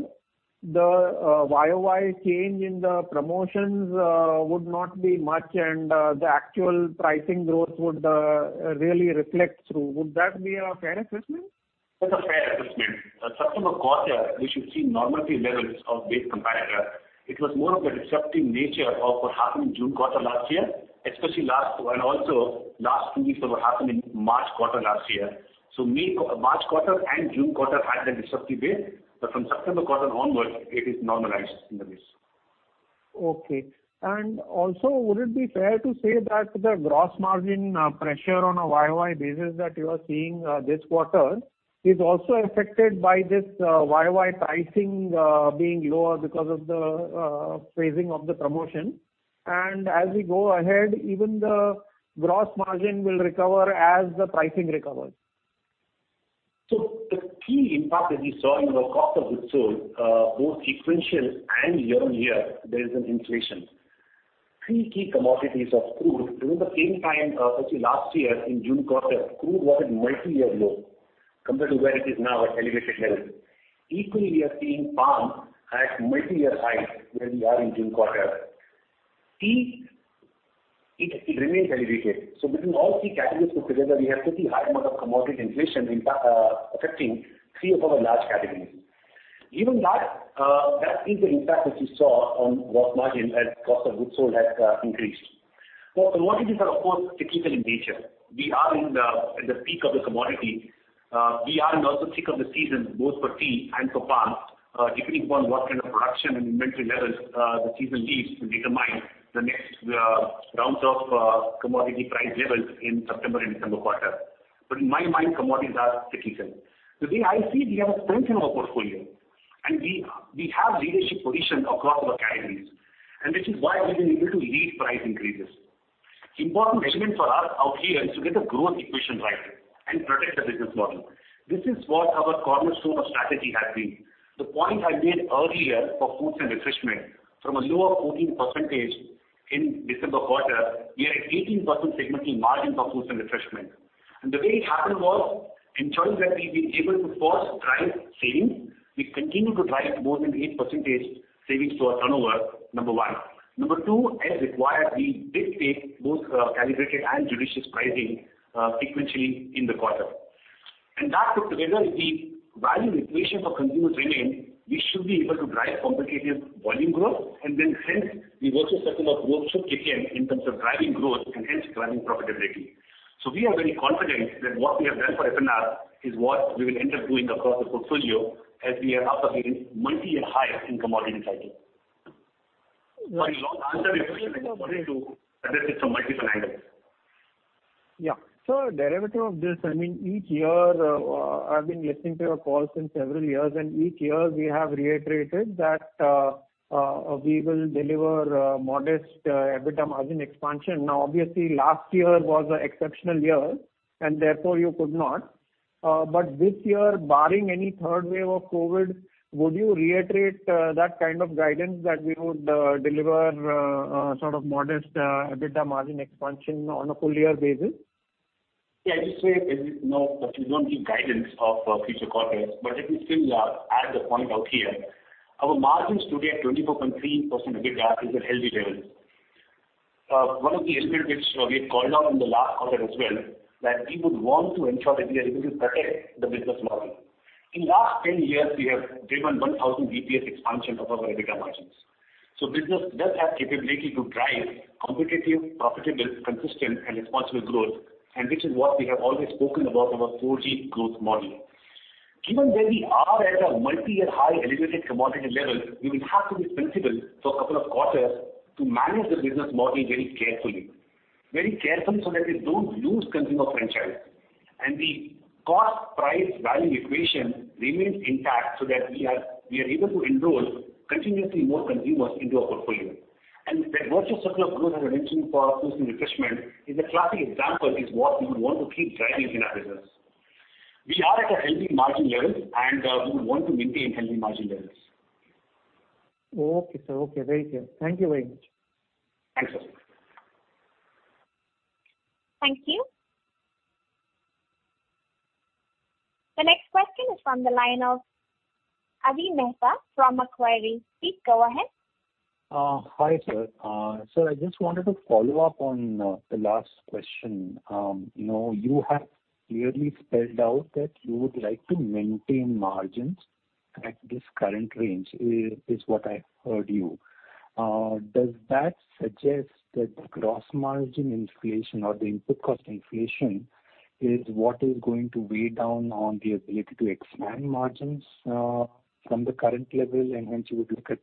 the YoY change in the promotions would not be much, and the actual pricing growth would really reflect through. Would that be a fair assessment? That's a fair assessment. September quarter, we should see normalcy levels of base comparator. It was more of a disruptive nature of what happened in June quarter last year, and also last two weeks of what happened in March quarter last year. March quarter and June quarter had the disruptive base, but from September quarter onwards, it is normalized in the base. Okay. Also, would it be fair to say that the gross margin pressure on a YoY basis that you are seeing this quarter is also affected by this YoY pricing being lower because of the phasing of the promotion? As we go ahead, even the gross margin will recover as the pricing recovers. The key impact that we saw in our cost of goods sold, both sequential and year on year, there is an inflation. Three key commodities of crude during the same time, actually last year in June quarter, crude was at multi-year low compared to where it is now at elevated levels. Equally, we are seeing palm at multi-year highs where we are in June quarter. Tea, it remains elevated. Between all three categories put together, we have pretty high amount of commodity inflation affecting three of our large categories. Even that is an impact which we saw on gross margin as cost of goods sold has increased. Commodities are, of course, cyclical in nature. We are in the peak of the commodity. We are in also peak of the season, both for tea and for palm. Depending upon what kind of production and inventory levels the season leaves will determine the next rounds of commodity price levels in September and December quarter. In my mind, commodities are cyclical. The way I see, we have a strength in our portfolio, and we have leadership position across our categories, and which is why we've been able to lead price increases. Important element for us out here is to get the growth equation right and protect the business model. This is what our cornerstone of strategy has been. The point I made earlier for Foods and Refreshment, from a lower 14% in December quarter, we are at 18% segmenting margin for Foods and Refreshment. The way it happened was ensuring that we've been able to first drive savings. We continue to drive more than 8% savings to our turnover, number one. Number two, as required, we did take both calibrated and judicious pricing sequentially in the quarter. That put together, the value equation for consumers remains, we should be able to drive competitive volume growth, and then hence the virtuous circle of growth should kick in terms of driving growth and hence driving profitability. We are very confident that what we have done for F&R is what we will end up doing across the portfolio as we are up against multi-year highs in commodity cycles. To answer your question, I wanted to address it from multiple angles. Yeah. Sir, derivative of this, each year, I've been listening to your calls since several years. Each year we have reiterated that we will deliver modest EBITDA margin expansion. Obviously, last year was a exceptional year, and therefore you could not. This year, barring any third wave of COVID, would you reiterate that kind of guidance that we would deliver modest EBITDA margin expansion on a full year basis? Yeah, I just said that we don't give guidance of future quarters, but let me still add the point out here. Our margins today at 24.3% EBITDA is at healthy levels. One of the elements which we had called out in the last quarter as well, that we would want to ensure that we are able to protect the business model. In last 10 years, we have given 1,000 basis points expansion of our EBITDA margins. Business does have capability to drive competitive, profitable, consistent, and responsible growth, and which is what we have always spoken about our 4G growth model. Given where we are as a multi-year high elevated commodity level, we will have to be principled for a couple of quarters to manage the business model very carefully. Very carefully, so that we don't lose consumer franchise. The cost-price value equation remains intact so that we are able to enroll continuously more consumers into our portfolio. The virtuous circle of growth as I mentioned for Foods and Refreshment is a classic example, is what we would want to keep driving in our business. We are at a healthy margin level, and we would want to maintain healthy margin levels. Okay, sir. Okay, very clear. Thank you very much. Thanks, Percy. Thank you. The next question is from the line of Avi Mehta from Macquarie. Please go ahead. Hi, sir. Sir, I just wanted to follow up on the last question. You have clearly spelled out that you would like to maintain margins at this current range, is what I've heard you. Does that suggest that the gross margin inflation or the input cost inflation is what is going to weigh down on the ability to expand margins from the current level, and hence you would look at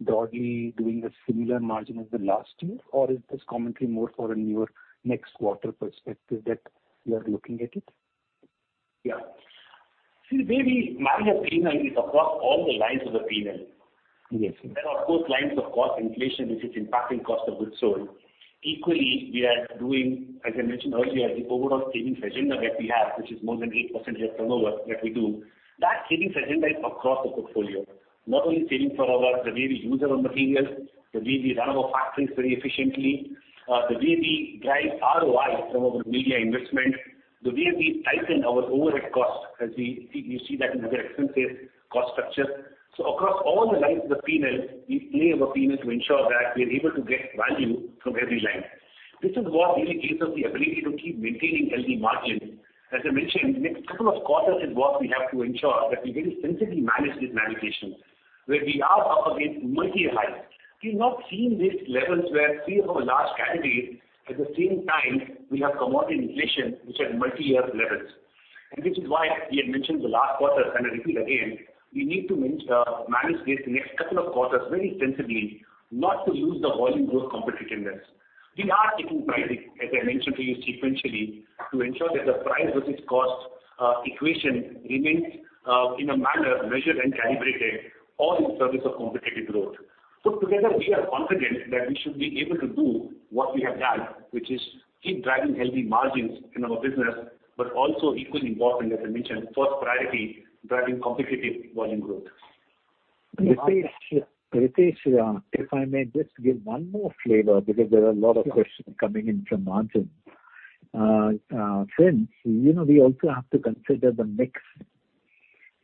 broadly doing a similar margin as the last year? Or is this commentary more for a newer next quarter perspective that you are looking at it? Yeah. See, the way we manage our P&L is across all the lines of the P&L. Yes, sir. There are, of course, lines of cost inflation which is impacting cost of goods sold. Equally, we are doing, as I mentioned earlier, the overall savings agenda that we have, which is more than 8% of turnover that we do. That savings agenda is across the portfolio. Not only savings for our, the way we use our materials, the way we run our factories very efficiently, the way we drive ROI from our media investment, the way we tighten our overhead costs, as we see that in our expenses cost structure. Across all the lines of the P&L, we play our P&L to ensure that we are able to get value from every line. This is what really gives us the ability to keep maintaining healthy margins. As I mentioned, next couple of quarters is what we have to ensure that we very sensibly manage this navigation, where we are up against multi-year highs. We've not seen these levels where three of our large categories, at the same time, we have commodity inflation which are at multi-year levels. Which is why we had mentioned the last quarter, and I repeat again, we need to manage this next couple of quarters very sensibly not to lose the volume growth competitiveness. We are taking pricing, as I mentioned to you, sequentially, to ensure that the price versus cost equation remains in a manner measured and calibrated all in service of competitive growth. Put together, we are confident that we should be able to do what we have done, which is keep driving healthy margins in our business, but also equally important, as I mentioned, first priority, driving competitive volume growth. Ritesh, if I may just give one more flavor, because there are a lot of questions coming in from margins. Since we also have to consider the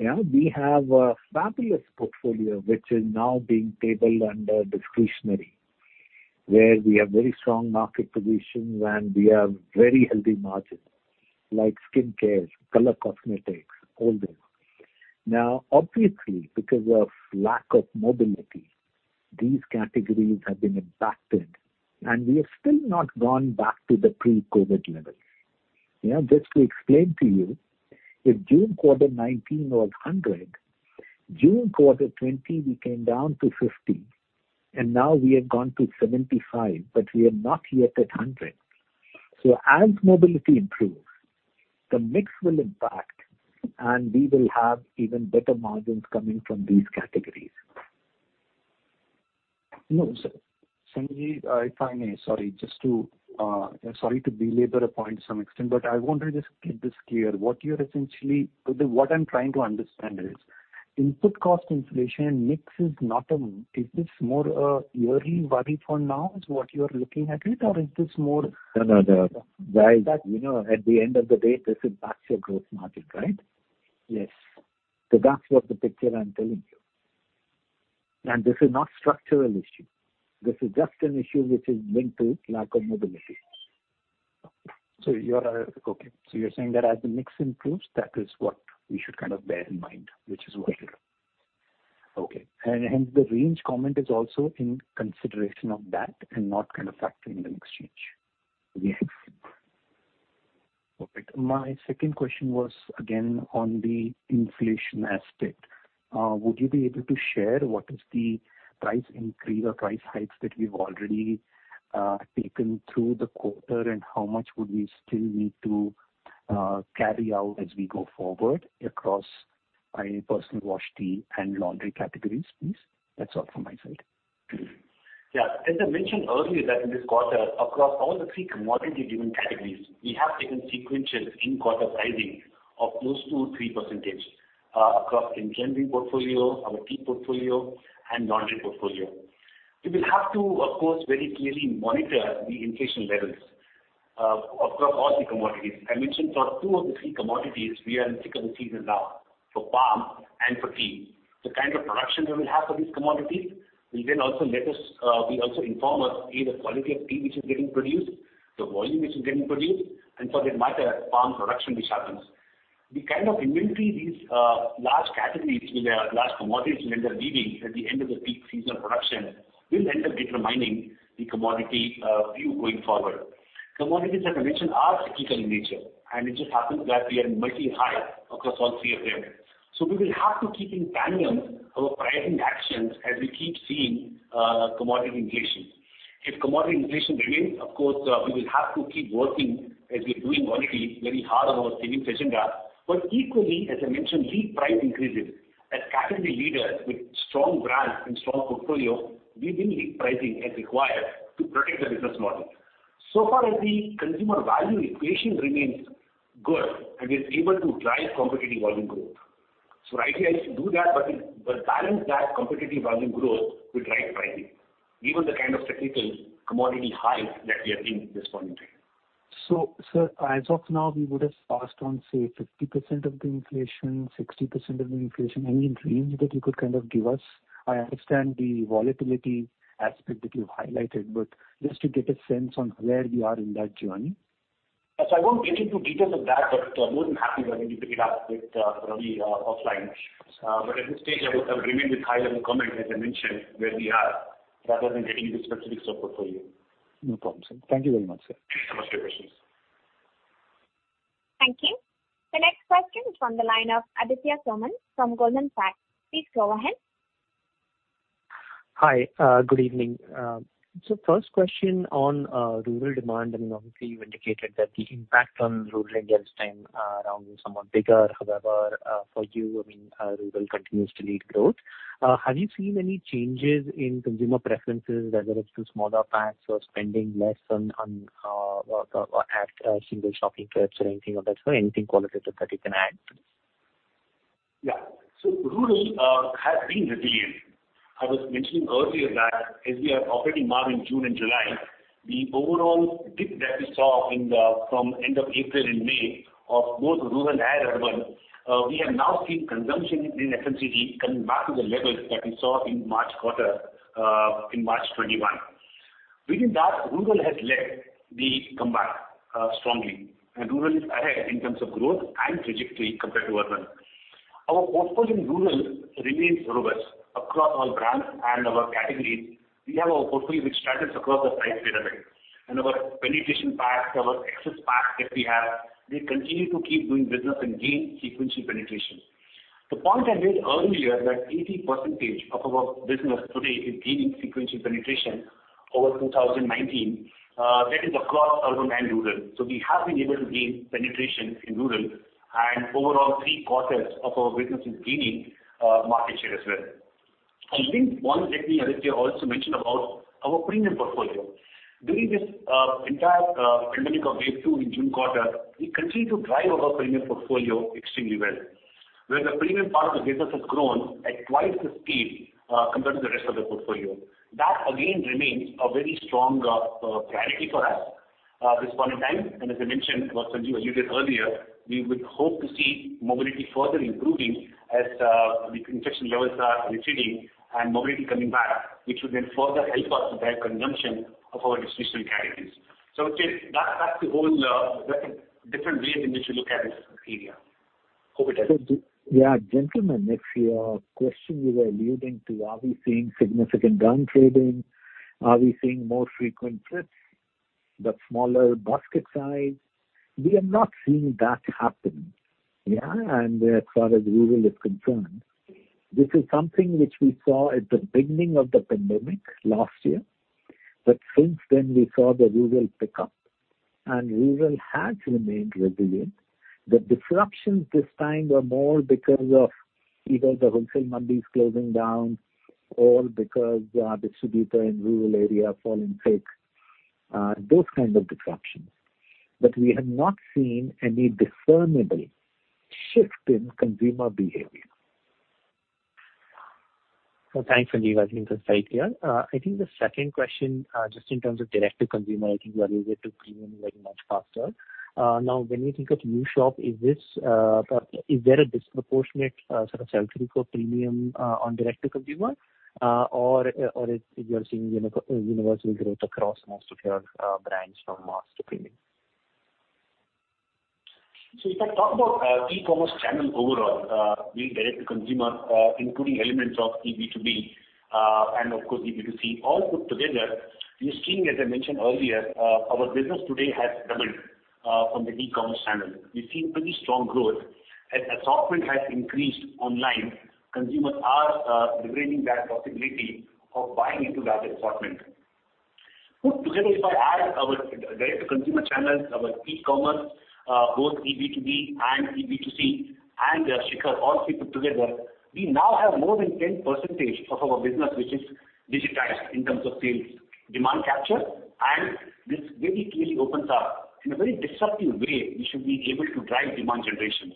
mix. We have a fabulous portfolio, which is now being tabled under discretionary, where we have very strong market positions, and we have very healthy margins, like skin cares, color cosmetics, all this. Obviously, because of lack of mobility, these categories have been impacted, and we have still not gone back to the pre-COVID-19 levels. Just to explain to you, if June quarter 2019 was 100%, June quarter 2020 we came down to 50%, and now we have gone to 75%, but we are not yet at 100%. As mobility improves, the mix will impact, and we will have even better margins coming from these categories. No, sir. Sanjiv, if I may. Sorry to belabor a point to some extent, I want to just keep this clear. What I'm trying to understand is, input cost inflation mix, is this more a yearly worry for now is what you're looking at it? No. At the end of the day, that's your gross margin, right? Yes. That's what the picture I'm telling you. This is not structural issue. This is just an issue which is linked to lack of mobility. You're saying that as the mix improves, that is what we should kind of bear in mind. Okay. Hence the range comment is also in consideration of that and not kind of factoring the mix change. Yes. Perfect. My second question was, again, on the inflation aspect. Would you be able to share what is the price increase or price hikes that we've already taken through the quarter, and how much would we still need to carry out as we go forward across personal wash, tea, and laundry categories, please? That's all from my side. As I mentioned earlier, that in this quarter, across all the three commodity-driven categories, we have taken sequential in-quarter pricing of close to 3% across in laundry portfolio, our tea portfolio, and laundry portfolio. We will have to, of course, very clearly monitor the inflation levels across all the commodities. I mentioned for two of the three commodities, we are in thick of the season now, for palm and for tea. The kind of production we will have for these commodities will also inform us either the quality of tea which is getting produced, the volume which is getting produced, and for that matter, palm production which happens. The kind of inventory these large categories with their large commodities when they're leaving at the end of the peak seasonal production will then determine the commodity view going forward. Commodities, as I mentioned, are cyclical in nature, and it just happens that we are multi-high across all three of them. We will have to keep in tandem our pricing actions as we keep seeing commodity inflation. If commodity inflation remains, of course, we will have to keep working as we're doing already very hard on our savings agenda. Equally, as I mentioned, lead price increases. As category leaders with strong brands and strong portfolio, we will lead pricing as required to protect the business model. Far as the consumer value equation remains good and we're able to drive competitive volume growth. Rightly I should do that, but balance that competitive volume growth with right pricing, given the kind of cyclical commodity highs that we are in this point in time. Sir, as of now, we would have passed on, say, 50% of the inflation, 60% of the inflation. Any range that you could kind of give us? I understand the volatility aspect that you highlighted, but just to get a sense on where we are in that journey. I won't get into details of that, but more than happy for me to pick it up with Ravi offline. At this stage, I would remain with high-level comment, as I mentioned, where we are, rather than getting into specific sub-portfolio. No problem, sir. Thank you very much, sir. Thank you for your questions. Thank you. The next question is from the line of Aditya Soman from Goldman Sachs. Please go ahead. Hi. Good evening. First question on rural demand, and obviously, you indicated that the impact on rural India this time around is somewhat bigger. However, for you, rural continues to lead growth. Have you seen any changes in consumer preferences, whether it's to smaller packs or spending less at single shopping trips or anything of that sort? Anything qualitative that you can add? Yeah. Rural has been resilient. I was mentioning earlier that as we are operating now in June and July, the overall dip that we saw from end of April and May of both rural and urban, we have now seen consumption in FMCG coming back to the levels that we saw in March quarter, in March 2021. Within that, rural has led the comeback strongly, and rural is ahead in terms of growth and trajectory compared to urban. Our portfolio in rural remains robust across all brands and our categories. We have a portfolio which straddles across the price pyramid, and our penetration packs, our access packs that we have, they continue to keep doing business and gain sequential penetration. The point I made earlier, that 80% of our business today is gaining sequential penetration over 2019, that is across urban and rural. We have been able to gain penetration in rural, and overall, three quarters of our business is gaining market share as well. One, let me, Aditya, also mention about our premium portfolio. During this entire pandemic of wave two in June quarter, we continued to drive our premium portfolio extremely well, where the premium part of the business has grown at 2x the speed compared to the rest of the portfolio. That again remains a very strong priority for us this point in time. As I mentioned, what Sanjiv alluded earlier, we would hope to see mobility further improving as the infection levels are receding and mobility coming back, which will then further help us to drive consumption of our discretionary categories. That's the whole different way in which we look at this area. Hope it helps. Yeah. Gentlemen, if your question you were alluding to, are we seeing significant downtrading? Are we seeing more frequent trips but smaller basket size? We are not seeing that happen. Yeah. As far as rural is concerned, this is something which we saw at the beginning of the pandemic last year. Since then, we saw the rural pick up, and rural has remained resilient. The disruptions this time are more because of either the wholesale mandis closing down or because distributor in rural area falling sick, those kind of disruptions. We have not seen any discernible shift in consumer behavior. Thanks, Sanjiv. I think that's very clear. I think the second question, just in terms of direct to consumer, I think you are able to premium very much faster. Now, when we think of UShop, is there a disproportionate sort of sell-through for premium on direct to consumer, or you're seeing universal growth across most of your brands from mass to premium? If I talk about e-commerce channel overall, be it direct-to-consumer, including elements of eB2B, and of course, eB2C, all put together, we are seeing, as I mentioned earlier, our business today has doubled from the e-commerce channel. We've seen pretty strong growth. As assortment has increased online, consumers are leveraging that possibility of buying into that assortment. Put together, if I add our direct to consumer channels, our e-commerce, both eB2B and eB2C, and Shikhar, all three put together, we now have more than 10% of our business which is digitized in terms of sales demand capture. This very clearly opens up, in a very disruptive way, we should be able to drive demand generation.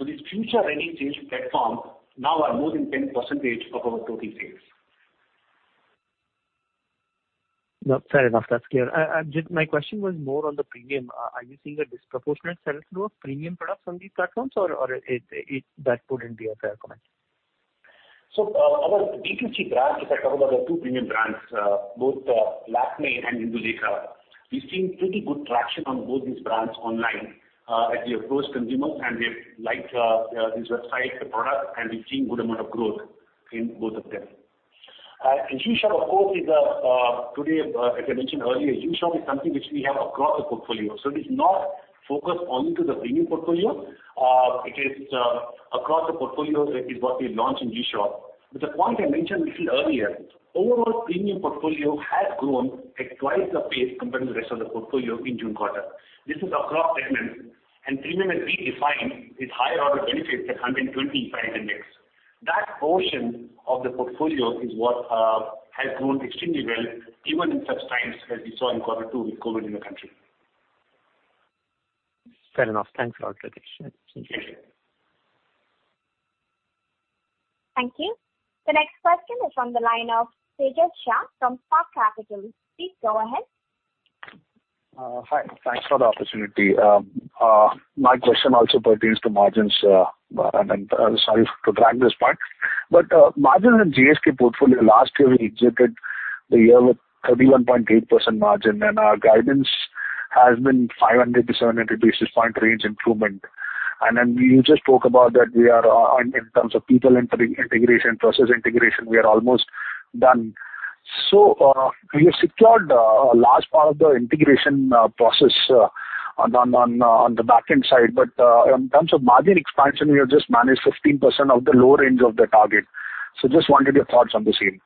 These future-ready sales platform now are more than 10% of our total sales. No, fair enough. That's clear. My question was more on the premium. Are you seeing a disproportionate sell-through of premium products on these platforms, or that wouldn't be a fair comment? Our D2C brands, if I talk about our two premium brands, both Lakmé and Indulekha, we've seen pretty good traction on both these brands online as we approach consumers, and they like this website, the product, and we've seen good amount of growth in both of them. UShop, of course, as I mentioned earlier, UShop is something which we have across the portfolio. It is not focused only to the premium portfolio. It is across the portfolio is what we launched in UShop. The point I mentioned little earlier, overall premium portfolio has grown at twice the pace compared to the rest of the portfolio in June quarter. This is across segments, and premium is redefined with higher order benefits at 125 price index. That portion of the portfolio is what has grown extremely well, even in such times as we saw in quarter two with COVID in the country. Fair enough. Thanks for all clarification. Thank you. Thank you. The next question is on the line of Tejas Shah from Spark Capital. Please go ahead. Hi. Thanks for the opportunity. My question also pertains to margins. Sorry for dragging this part, margins in GSK portfolio last year, we exited the year with 31.8% margin, and our guidance has been 500 basis points-700 basis point range improvement. You just spoke about that in terms of people integration, process integration, we are almost done. You have secured a large part of the integration process on the back-end side. In terms of margin expansion, we have just managed 15% of the low range of the target. Just wanted your thoughts on the same.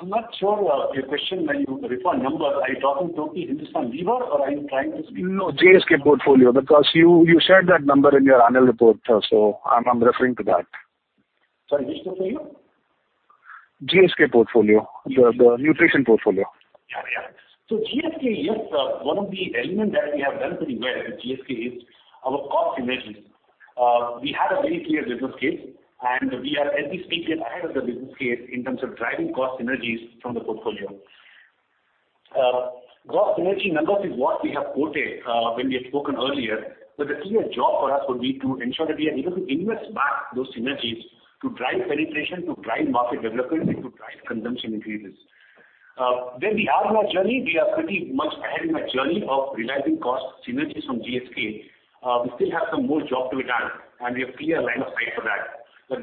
I'm not sure your question when you refer a number. Are you talking total Hindustan Unilever or are you trying to speak? No, GSK portfolio, because you shared that number in your annual report, so I'm referring to that. Sorry, which portfolio? GSK portfolio, the nutrition portfolio. GSK, yes, one of the element that we have done pretty well with GSK is our cost synergies. We had a very clear business case, and we are, as we speak, we are ahead of the business case in terms of driving cost synergies from the portfolio. Gross synergy numbers is what we have quoted when we had spoken earlier. The clear job for us would be to ensure that we are able to invest back those synergies to drive penetration, to drive market development, and to drive consumption increases. Where we are in our journey, we are pretty much ahead in our journey of realizing cost synergies from GSK. We still have some more job to be done, and we have clear line of sight for that.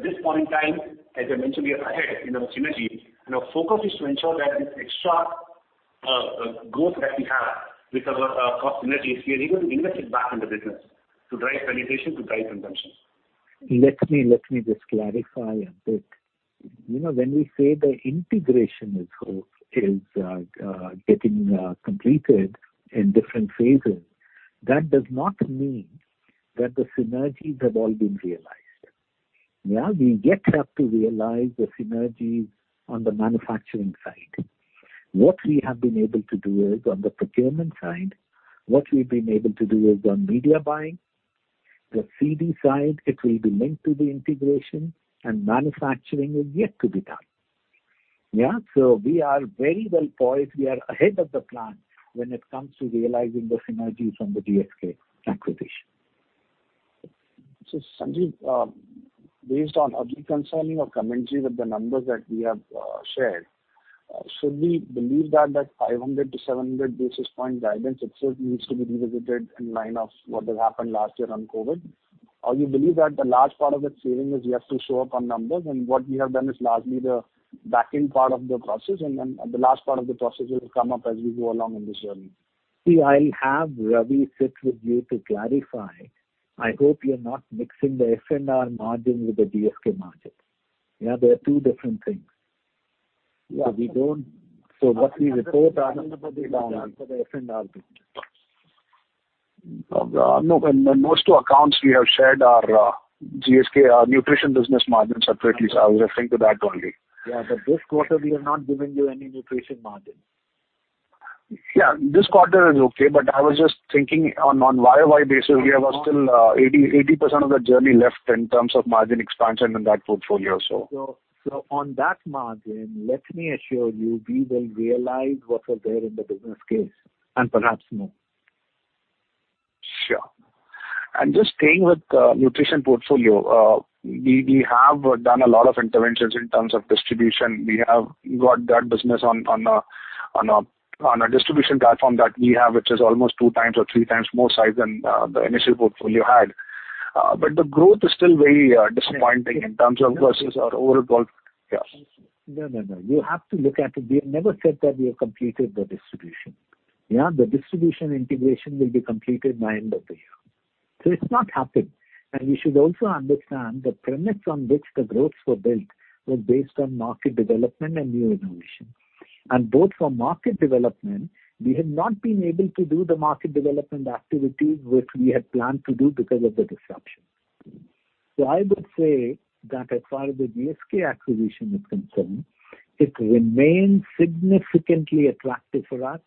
This point in time, as I mentioned, we are ahead in our synergies, and our focus is to ensure that this extra growth that we have with our cost synergies, we are able to invest it back in the business to drive penetration, to drive consumption. Let me just clarify a bit. When we say the integration is getting completed in different phases, that does not mean that the synergies have all been realized. Yeah, we get up to realize the synergies on the manufacturing side. What we have been able to do is on the procurement side, what we've been able to do is on media buying. The CD side, it will be linked to the integration, and manufacturing is yet to be done. Yeah, so we are very well poised. We are ahead of the plan when it comes to realizing the synergies from the GSK acquisition. Sanjiv, based on reconciling our commentary with the numbers that we have shared, should we believe that 500 basis points-700 basis point guidance itself needs to be revisited in line of what has happened last year on COVID? Or you believe that a large part of that saving is yet to show up on numbers, and what we have done is largely the back-end part of the process, and the last part of the process will come up as we go along in this journey? I'll have Ravi sit with you to clarify. I hope you're not mixing the F&R margin with the GSK margin. They are two different things. Yeah. We don't. *crosstalk* No. Most accounts we have shared are GSK, our nutrition business margin separately, so I was referring to that only. Yeah. This quarter we are not giving you any nutrition margin. Yeah. This quarter is okay, but I was just thinking on YoY basis, we have still 80% of the journey left in terms of margin expansion in that portfolio. On that margin, let me assure you, we will realize what was there in the business case, and perhaps more. Sure. Just staying with nutrition portfolio, we have done a lot of interventions in terms of distribution. We have got that business on a distribution platform that we have, which is almost 2x or 3x more size than the initial portfolio had. The growth is still very disappointing in terms of versus our overall-yeah. No. You have to look at it. We have never said that we have completed the distribution. The distribution integration will be completed by end of the year. It is not happened. We should also understand the premise on which the growths were built were based on market development and new innovation. Both for market development, we have not been able to do the market development activities which we had planned to do because of the disruption. I would say that as far as the GSK acquisition is concerned, it remains significantly attractive for us.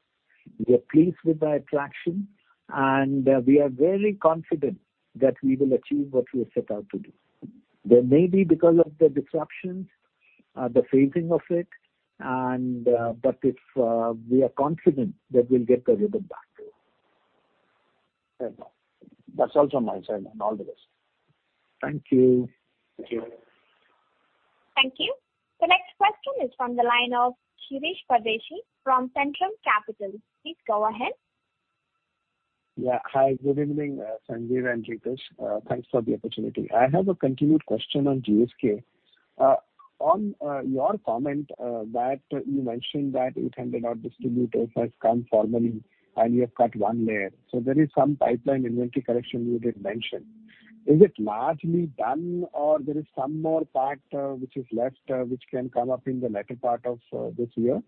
We are pleased with the attraction, and we are very confident that we will achieve what we have set out to do. There may be because of the disruptions, the phasing of it, but we are confident that we'll get the rhythm back. That's also my side and all the best. Thank you. Thank you. Thank you. The next question is from the line of Shirish Pardeshi from Centrum Capital. Please go ahead. Yeah. Hi, good evening, Sanjiv and Ritesh. Thanks for the opportunity. I have a continued question on GSK. On your comment, that you mentioned that 800 of our distributors have come formally and we have cut one layer. There is some pipeline inventory correction you did mention. Is it largely done or there is some more part which is left which can come up in the latter part of this year?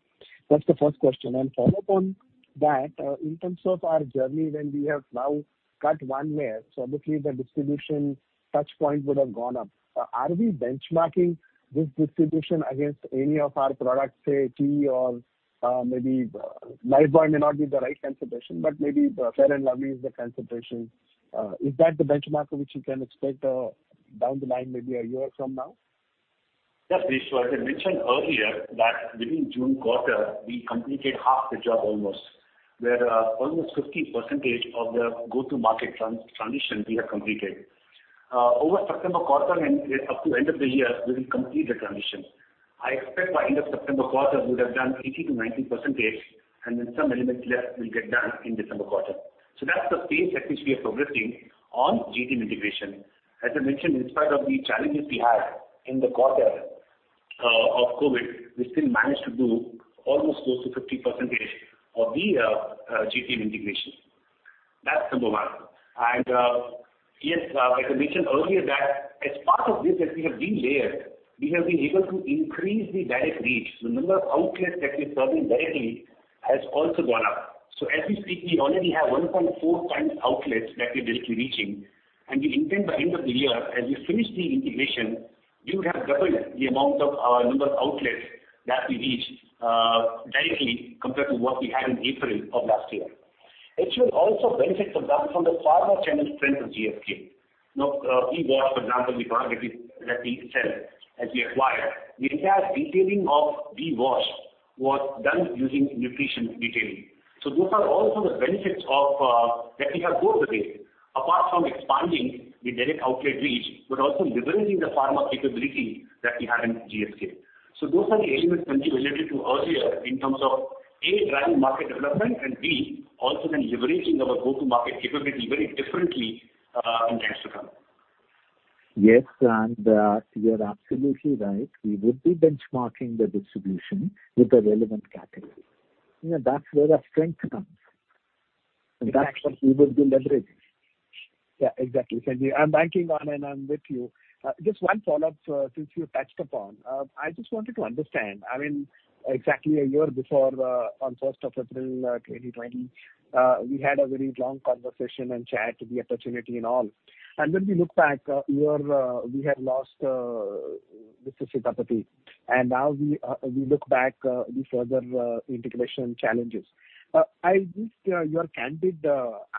That's the first question. Follow up on that, in terms of our journey when we have now cut one layer, so obviously the distribution touch point would have gone up. Are we benchmarking this distribution against any of our products, say, tea or maybe Lifebuoy may not be the right consideration, but maybe Fair & Lovely is the consideration. Is that the benchmark which we can expect down the line, maybe a year from now? Yes, Shirish. As I mentioned earlier that within June quarter, we completed half the job almost, where almost 50% of the go-to-market transition we have completed. Over September quarter and up to end of the year, we will complete the transition. I expect by end of September quarter, we would have done 80%-90%, and then some elements left will get done in December quarter. That's the phase at which we are progressing on GTM integration. As I mentioned, in spite of the challenges we had in the quarter of COVID-19, we still managed to do almost close to 50% of the GTM integration. That's number one. Yes, as I mentioned earlier that as part of this, as we have de-layered, we have been able to increase the direct reach. The number of outlets that we're serving directly has also gone up. As we speak, we already have 1.4x outlets that we're directly reaching, and we intend by end of the year, as we finish the integration, we would have doubled the amount of our number of outlets that we reach directly compared to what we had in April of last year. It will also benefit from the pharma channel strength of GSK. VWash, for example, the product that we sell, as we acquired, the entire detailing of VWash was done using nutrition detailing. Those are also the benefits that we have both the way, apart from expanding the direct outlet reach, but also leveraging the pharma capability that we have in GSK. Those are the elements, Sanjiv, related to earlier in terms of, A, driving market development, and B, also then leveraging our go-to-market capability very differently in times to come. Yes, you're absolutely right. We would be benchmarking the distribution with the relevant category. That's where our strength comes. That's what we will be leveraging. Yeah, exactly, Sanjiv. I'm banking on and I'm with you. Just one follow-up, since you touched upon. I just wanted to understand, exactly a year before, on 1st of April 2020, we had a very long conversation and chat, the opportunity and all. When we look back, we had lost Mr. Sitapati, and now we look back, the further integration challenges. I miss your candid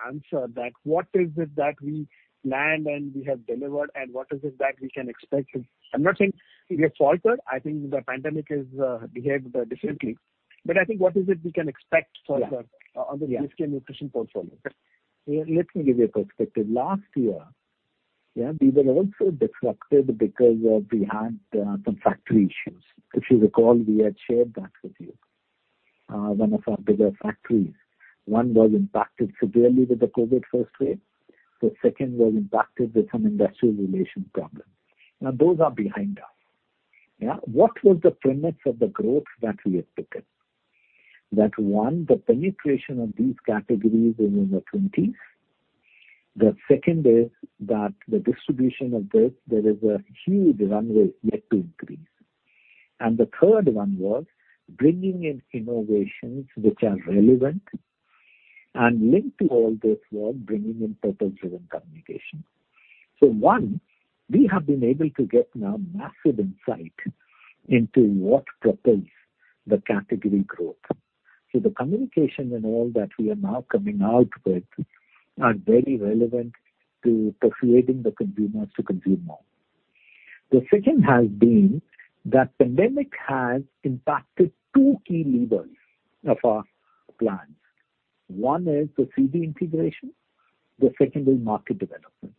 answer that what is it that we planned and we have delivered, and what is it that we can expect. I'm not saying we have faltered. I think the pandemic has behaved differently. I think what is it we can expect for the-other GSK nutrition portfolio? Let me give you a perspective. Last year, we were also disrupted because we had some factory issues. If you recall, we had shared that with you. One of our bigger factories, one was impacted severely with the COVID first wave. The second was impacted with some industrial relation problem. Now, those are behind us. What was the premise of the growth that we expected? That one, the penetration of these categories is in the 20s. The second is that the distribution of this, there is a huge runway yet to increase. The third one was bringing in innovations which are relevant and linked to all this work, bringing in purpose-driven communication. One, we have been able to get now massive insight into what propels the category growth. The communication and all that we are now coming out with are very relevant to persuading the consumers to consume more. The second has been that pandemic has impacted two key levers of our plans. One is the CD integration, the second is market development.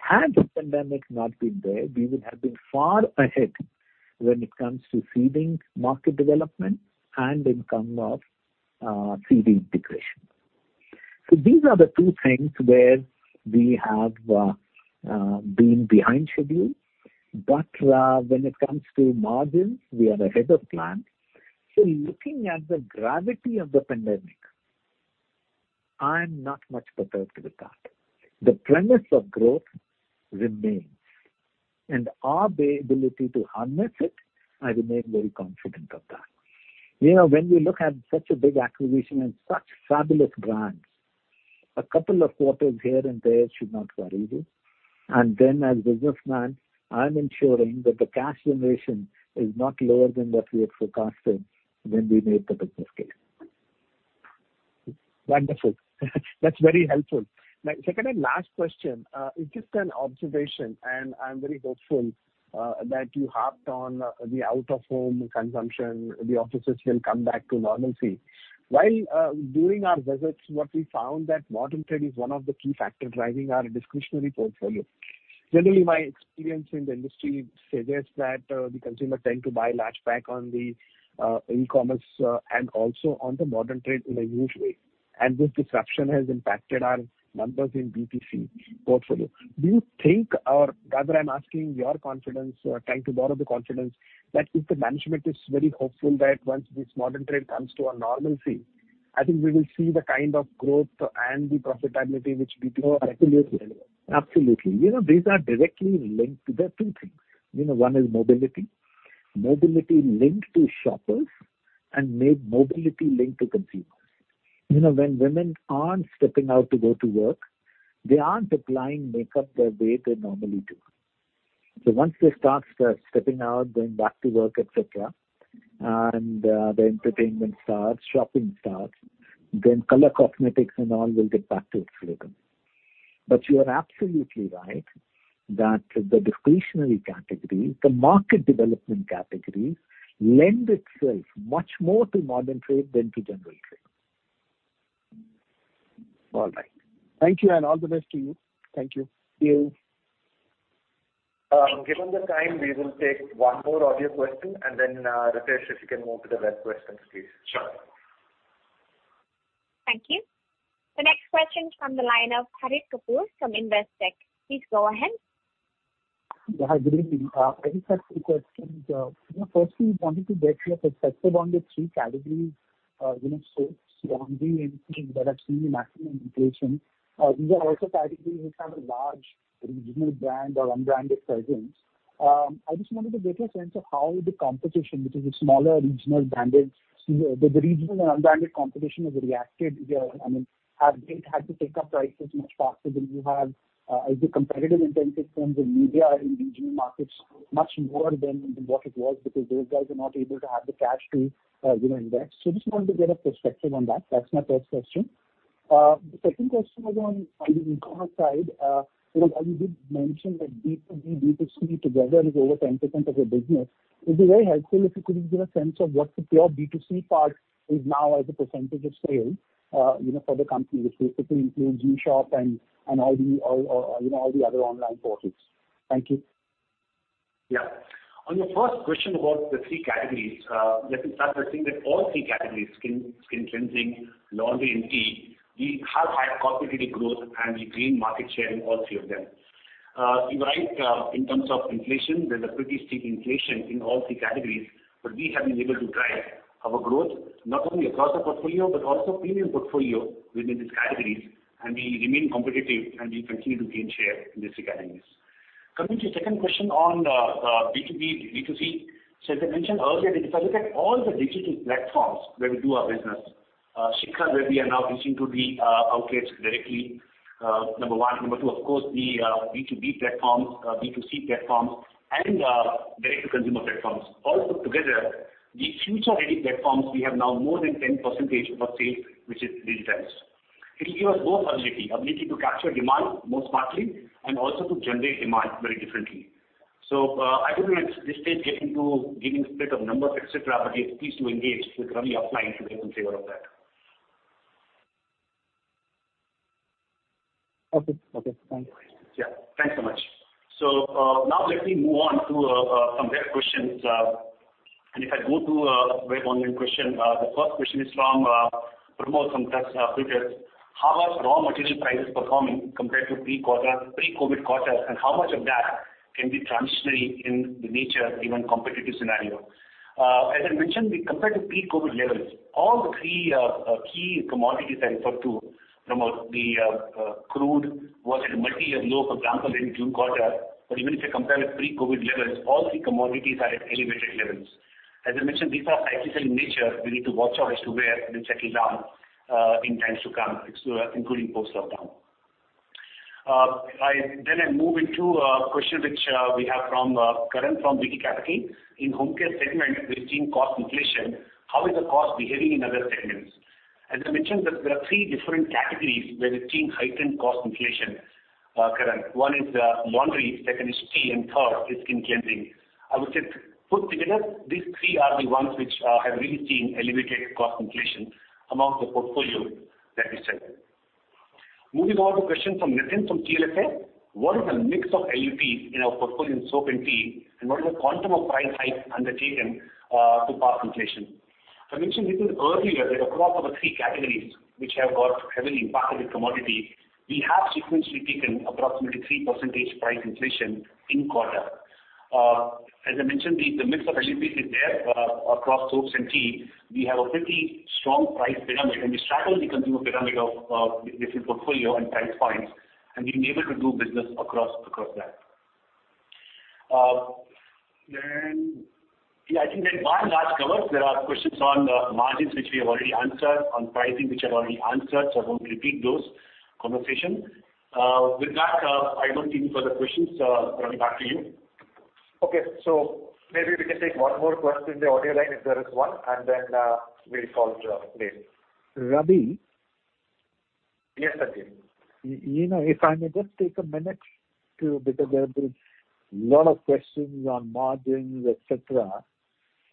Had the pandemic not been there, we would have been far ahead when it comes to seeding market development and income of CD integration. These are the two things where we have been behind schedule. When it comes to margins, we are ahead of plan. Looking at the gravity of the pandemic, I'm not much perturbed with that. The premise of growth remains, and our ability to harness it, I remain very confident of that. When we look at such a big acquisition and such fabulous brands, a couple of quarters here and there should not worry you. As businessman, I'm ensuring that the cash generation is not lower than what we had forecasted when we made the business case. Wonderful. That's very helpful. My second and last question, it's just an observation, and I'm very hopeful that you harped on the out-of-home consumption, the offices will come back to normalcy. While doing our visits, what we found that modern trade is one of the key factor driving our discretionary portfolio. Generally, my experience in the industry suggests that the consumer tend to buy large pack on the e-commerce and also on the modern trade in a huge way, and this disruption has impacted our numbers in BPC portfolio. Do you think, or rather I'm asking your confidence or trying to borrow the confidence, that if the management is very hopeful that once this modern trade comes to a normalcy, I think we will see the kind of growth and the profitability which BPC- Absolutely. These are directly linked to the two things. One is mobility linked to shoppers and mobility linked to consumers. When women aren't stepping out to go to work, they aren't applying makeup the way they normally do. Once they start stepping out, going back to work, et cetera, and the entertainment starts, shopping starts, then color cosmetics and all will get back to its rhythm. You are absolutely right that the discretionary category, the market development category, lend itself much more to modern trade than to general trade. All right. Thank you, and all the best to you. Thank you. Thank you. Given the time, we will take one more audio question, and then, Ritesh, if you can move to the next questions, please. Sure. Thank you. The next question from the line of Harit Kapoor from Investec. Please go ahead. Yeah, good evening. I just have two questions. Firstly, wanted to get your perspective on the three categories, soaps, laundry and tea that have seen maximum inflation. These are also categories which have a large regional brand or unbranded presence. I just wanted to get a sense of how the competition, which is smaller regional brands, the regional and unbranded competition has reacted here. Have they had to take up prices much faster than you have? Is the competitive intensity in terms of media in regional markets much more than what it was because those guys are not able to have the cash to invest? Just wanted to get a perspective on that. That's my first question. The second question was on the e-commerce side. You did mention that B2B, B2C together is over 10% of your business. It'd be very helpful if you could give a sense of what the pure B2C part is now as a percentage of sale for the company, which basically includes UShop and all the other online portals. Thank you. Yeah. On your first question about the three categories, let me start by saying that all three categories, skin cleansing, laundry, and tea, we have had competitive growth, and we gain market share in all three of them. You're right, in terms of inflation, there's a pretty steep inflation in all three categories. We have been able to drive our growth not only across the portfolio but also premium portfolio within these categories, and we remain competitive, and we continue to gain share in these categories. Coming to your second question on the B2B, B2C. As I mentioned earlier, if I look at all the digital platforms where we do our business, Shikhar, where we are now reaching to the outlets directly, number one. Number two, of course, the B2B platforms, B2C platforms, and direct-to-consumer platforms. All put together, the future-ready platforms, we have now more than 10% of sales, which is digitized. It'll give us more agility, ability to capture demand more smartly and also to generate demand very differently. I wouldn't at this stage get into giving split of numbers, et cetera, but yes, please do engage with Ravi offline to get some flavor of that. Okay. Thanks. Yeah. Thanks so much. Now let me move on to some share questions. If I go to a web online question, the first question is from [Pramod] from [Saxs Capital]. How are raw material prices performing compared to pre-COVID quarters, and how much of that can be transitionary in the nature given competitive scenario? As I mentioned, compared to pre-COVID levels, all the three key commodities I referred to, Pramod, the crude was at a multi-year low, for example, in June quarter. Even if you compare with pre-COVID levels, all three commodities are at elevated levels. As I mentioned, these are cyclical in nature. We need to watch out as to where this settles down in times to come, including post-lockdown. I move into a question which we have from [Karan] from [BT Capital]. In home care segment, we've seen cost inflation. How is the cost behaving in other segments? As I mentioned that there are three different categories where we've seen heightened cost inflation, Karan. One is laundry, second is tea, and third is skin cleansing. I would say, put together, these three are the ones which have really seen elevated cost inflation among the portfolio that we sell. Moving on to a question from [Nitin] from [CLSA]. What is the mix of LUPs in our portfolio in soap and tea, and what is the quantum of price hikes undertaken to pass inflation? I mentioned this earlier that across all the three categories which have got heavily impacted with commodity, we have sequentially taken approximately 3% price inflation in quarter. As I mentioned, the mix of LUPs is there across soaps and tea. We have a pretty strong price pyramid, and we straddle the consumer pyramid of different portfolio and price points, and we're able to do business across that. Yeah, I think that one last covers. There are questions on margins, which we have already answered, on pricing, which I've already answered. I won't repeat those conversation. With that, I don't see any further questions. Ravi, back to you. Okay. Maybe we can take one more question in the audio line if there is one, and then we'll call to a close. Ravi. Yes, Sanjiv. If I may just take a minute to, because there have been lot of questions on margins, et cetera,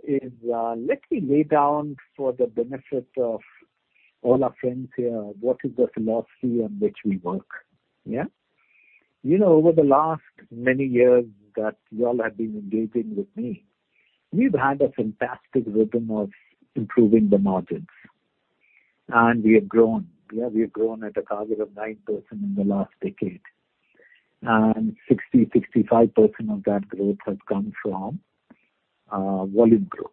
is let me lay down for the benefit of all our friends here, what is the philosophy on which we work. Yeah? Over the last many years that you all have been engaging with me, we've had a fantastic rhythm of improving the margins, and we have grown. We have grown at a CAGR of 9% in the last decade, and 60%-65% of that growth has come from volume growth.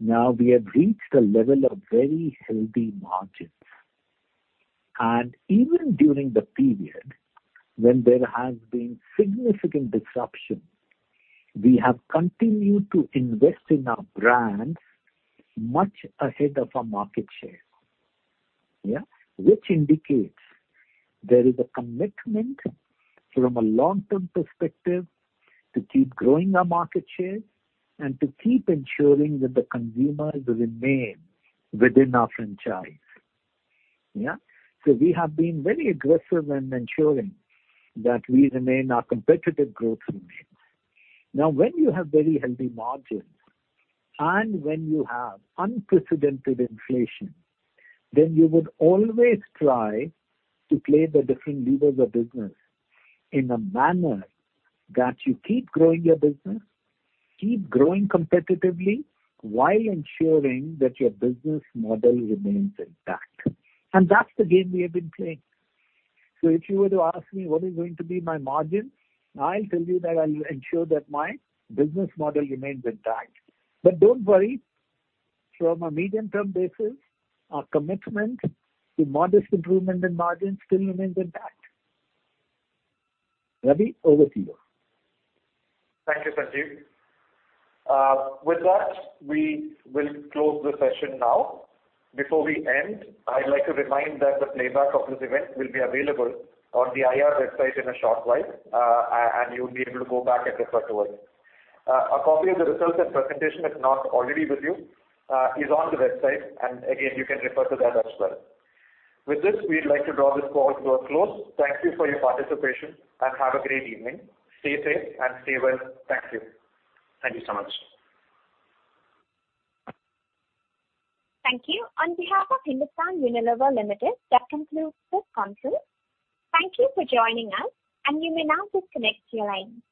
Now we have reached a level of very healthy margins. Even during the period when there has been significant disruption, we have continued to invest in our brands much ahead of our market share. Yeah? Which indicates there is a commitment from a long-term perspective to keep growing our market share and to keep ensuring that the consumers remain within our franchise. Yeah? We have been very aggressive in ensuring that we remain our competitive growth remains. When you have very healthy margins, and when you have unprecedented inflation, then you would always try to play the different levers of business in a manner that you keep growing your business, keep growing competitively, while ensuring that your business model remains intact. That's the game we have been playing. If you were to ask me what is going to be my margin, I'll tell you that I'll ensure that my business model remains intact. Don't worry, from a medium-term basis, our commitment to modest improvement in margin still remains intact. Ravi, over to you. Thank you, Sanjiv. With that, we will close the session now. Before we end, I'd like to remind that the playback of this event will be available on the IR website in a short while, and you'll be able to go back and refer to it. A copy of the results and presentation, if not already with you, is on the website, and again, you can refer to that as well. With this, we'd like to draw this call to a close. Thank you for your participation, and have a great evening. Stay safe and stay well. Thank you. Thank you so much. Thank you. On behalf of Hindustan Unilever Limited, that concludes this conference. Thank you for joining us, and you may now disconnect your lines.